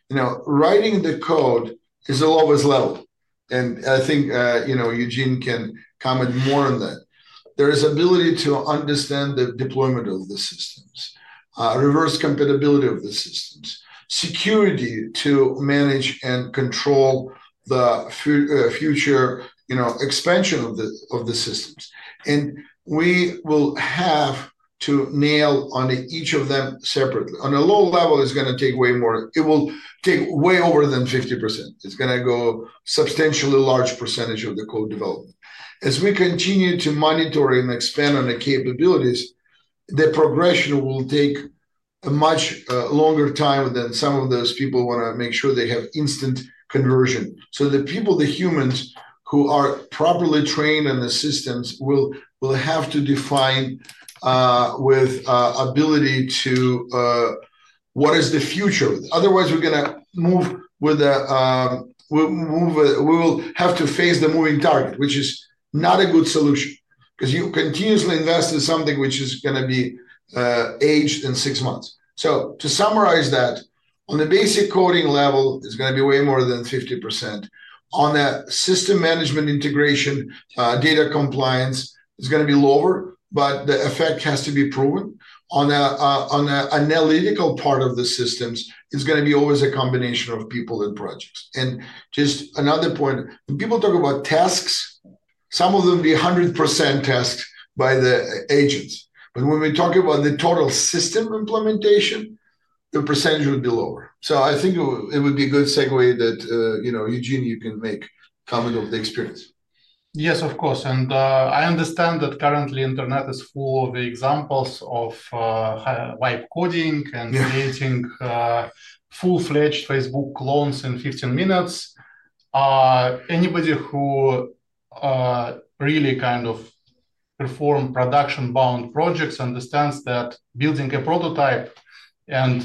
Now writing the code is a lowest level and I think Eugene can comment more on that. There is ability to understand the deployment of the systems, reverse compatibility of the systems, security to manage and control the future expansion of the systems. We will have to nail on each of them separately. On a low level it's going to take way more. It will take way over than 50%. It's going to go substantially large percentage of the code development. As we continue to monitor and expand on the capabilities, the progression will take a much longer time than some of those people want to make sure they have instant conversion. The people, the humans who are properly trained and assistance will have to define with ability to what is the future. Otherwise we're going to move with a. We will have to face the moving target, which is not a good solution because you continuously invest in something which is going to be aged in six months. To summarize that, on the basic coding level it's going to be way more than 50%. On a system management integration, data compliance is going to be lower. The effect has to be proven on analytical part of the systems. It's going to be always a combination of people and projects. Just another point, when people talk about tasks, some of them be 100% tasked by the agents. When we talk about the total system implementation, the percentage would be lower. I think it would be a good segue that, you know, Eugene, you can make commodity of the experience. Yes, of course. I understand that currently Internet is full of the examples of live coding and creating full fledged Facebook clones in 15 minutes. Anybody who really kind of perform production bound projects understands that building a prototype and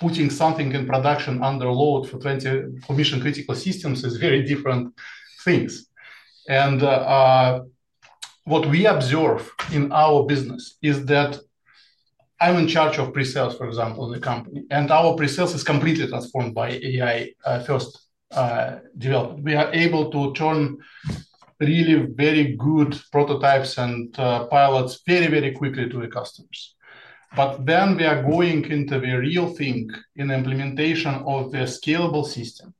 putting something in production under load for 20 provision critical systems is very different things. What we observe in our business is that I'm in charge of pre sales, for example, in the company. Our pre sales is completely transformed by AI-first developed. We are able to turn really very good prototypes and pilots very, very quickly to the customers. We are going into the real thing in implementation of the scalable system,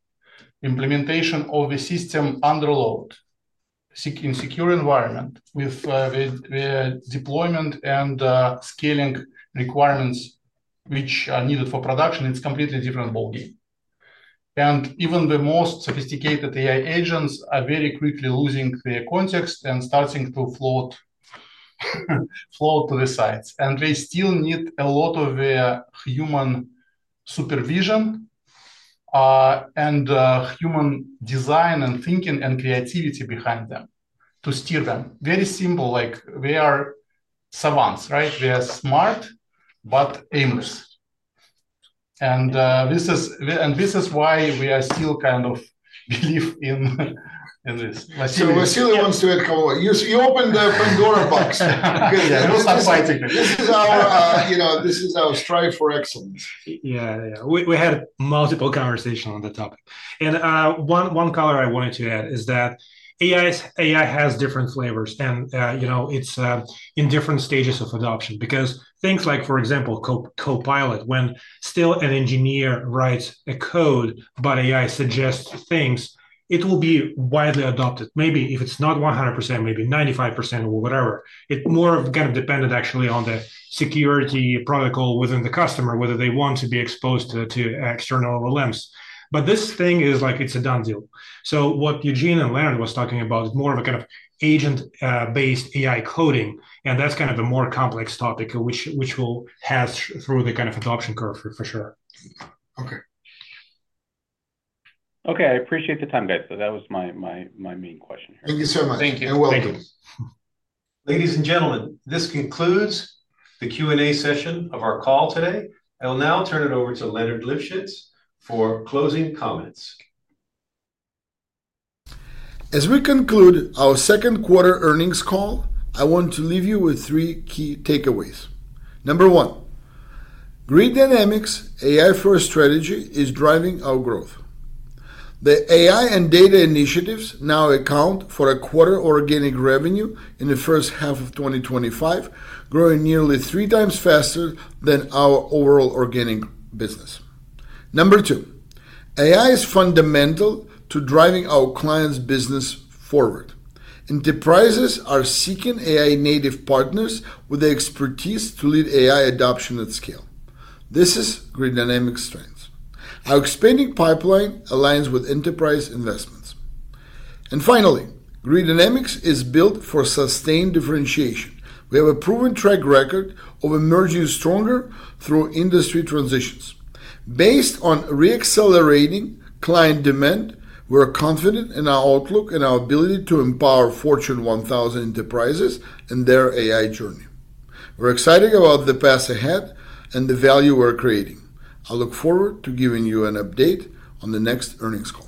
implementation of the system under load in secure environment with the deployment and scaling requirements which are needed for production. It's completely different ballgame. Even the most sophisticated AI agents are very quickly losing their context and starting to float to the sides. They still need a lot of their human supervision and human design and thinking and creativity behind them to steer them. Very simple. Like we are savants, right? We are smart but aimless. This is why we are still kind of belief in. Vasily wants to echo, you opened the Pandora box. This is our strive for excellence. Yeah, we had multiple conversations on the topic, and one color I wanted to add is that AI has different flavors, and it's in different stages of adoption because things like, for example, Copilot, when still an engineer writes a code, but AI suggests things, it will be widely adopted. Maybe if it's not 100%, maybe 95% or whatever. It is more kind of dependent actually on the security protocol within the customer, whether they want to be exposed to external LLMs. This thing is like it's a done deal. What Eugene and Len was talking about is more of a kind of agentic AI coding, and that's kind of a more complex topic, which will pass through the kind of adoption curve for sure. Okay. I appreciate the time. That was my main question here. Thank you so much. Thank you. Very good. Ladies and gentlemen, this concludes the Q and A session of our call today. I'll now turn it over to Leonard Livschitz for closing comments. As we conclude our second quarter earnings call, I want to leave you with three key takeaways. Number one, Grid Dynamics AI-first strategy is driving our growth. The AI and data initiatives now account for a quarter, organic revenue in the first half of 2025 is growing nearly three times faster than our overall organic business. Number two, AI is fundamental to driving our clients' business forward. Enterprises are seeking AI-native partners with the expertise to lead AI adoption at scale. This is Grid Dynamics' strength. Our expanding pipeline aligns with enterprise investment, and finally, Grid Dynamics is built for sustained differentiation. We have a proven track record of emerging stronger through industry transitions based on re-accelerating client demand. We're confident in our outlook and our ability to empower Fortune 1000 enterprises and their AI journey. We're excited about the path ahead and the value we're creating. I look forward to giving you an update on the next earnings call.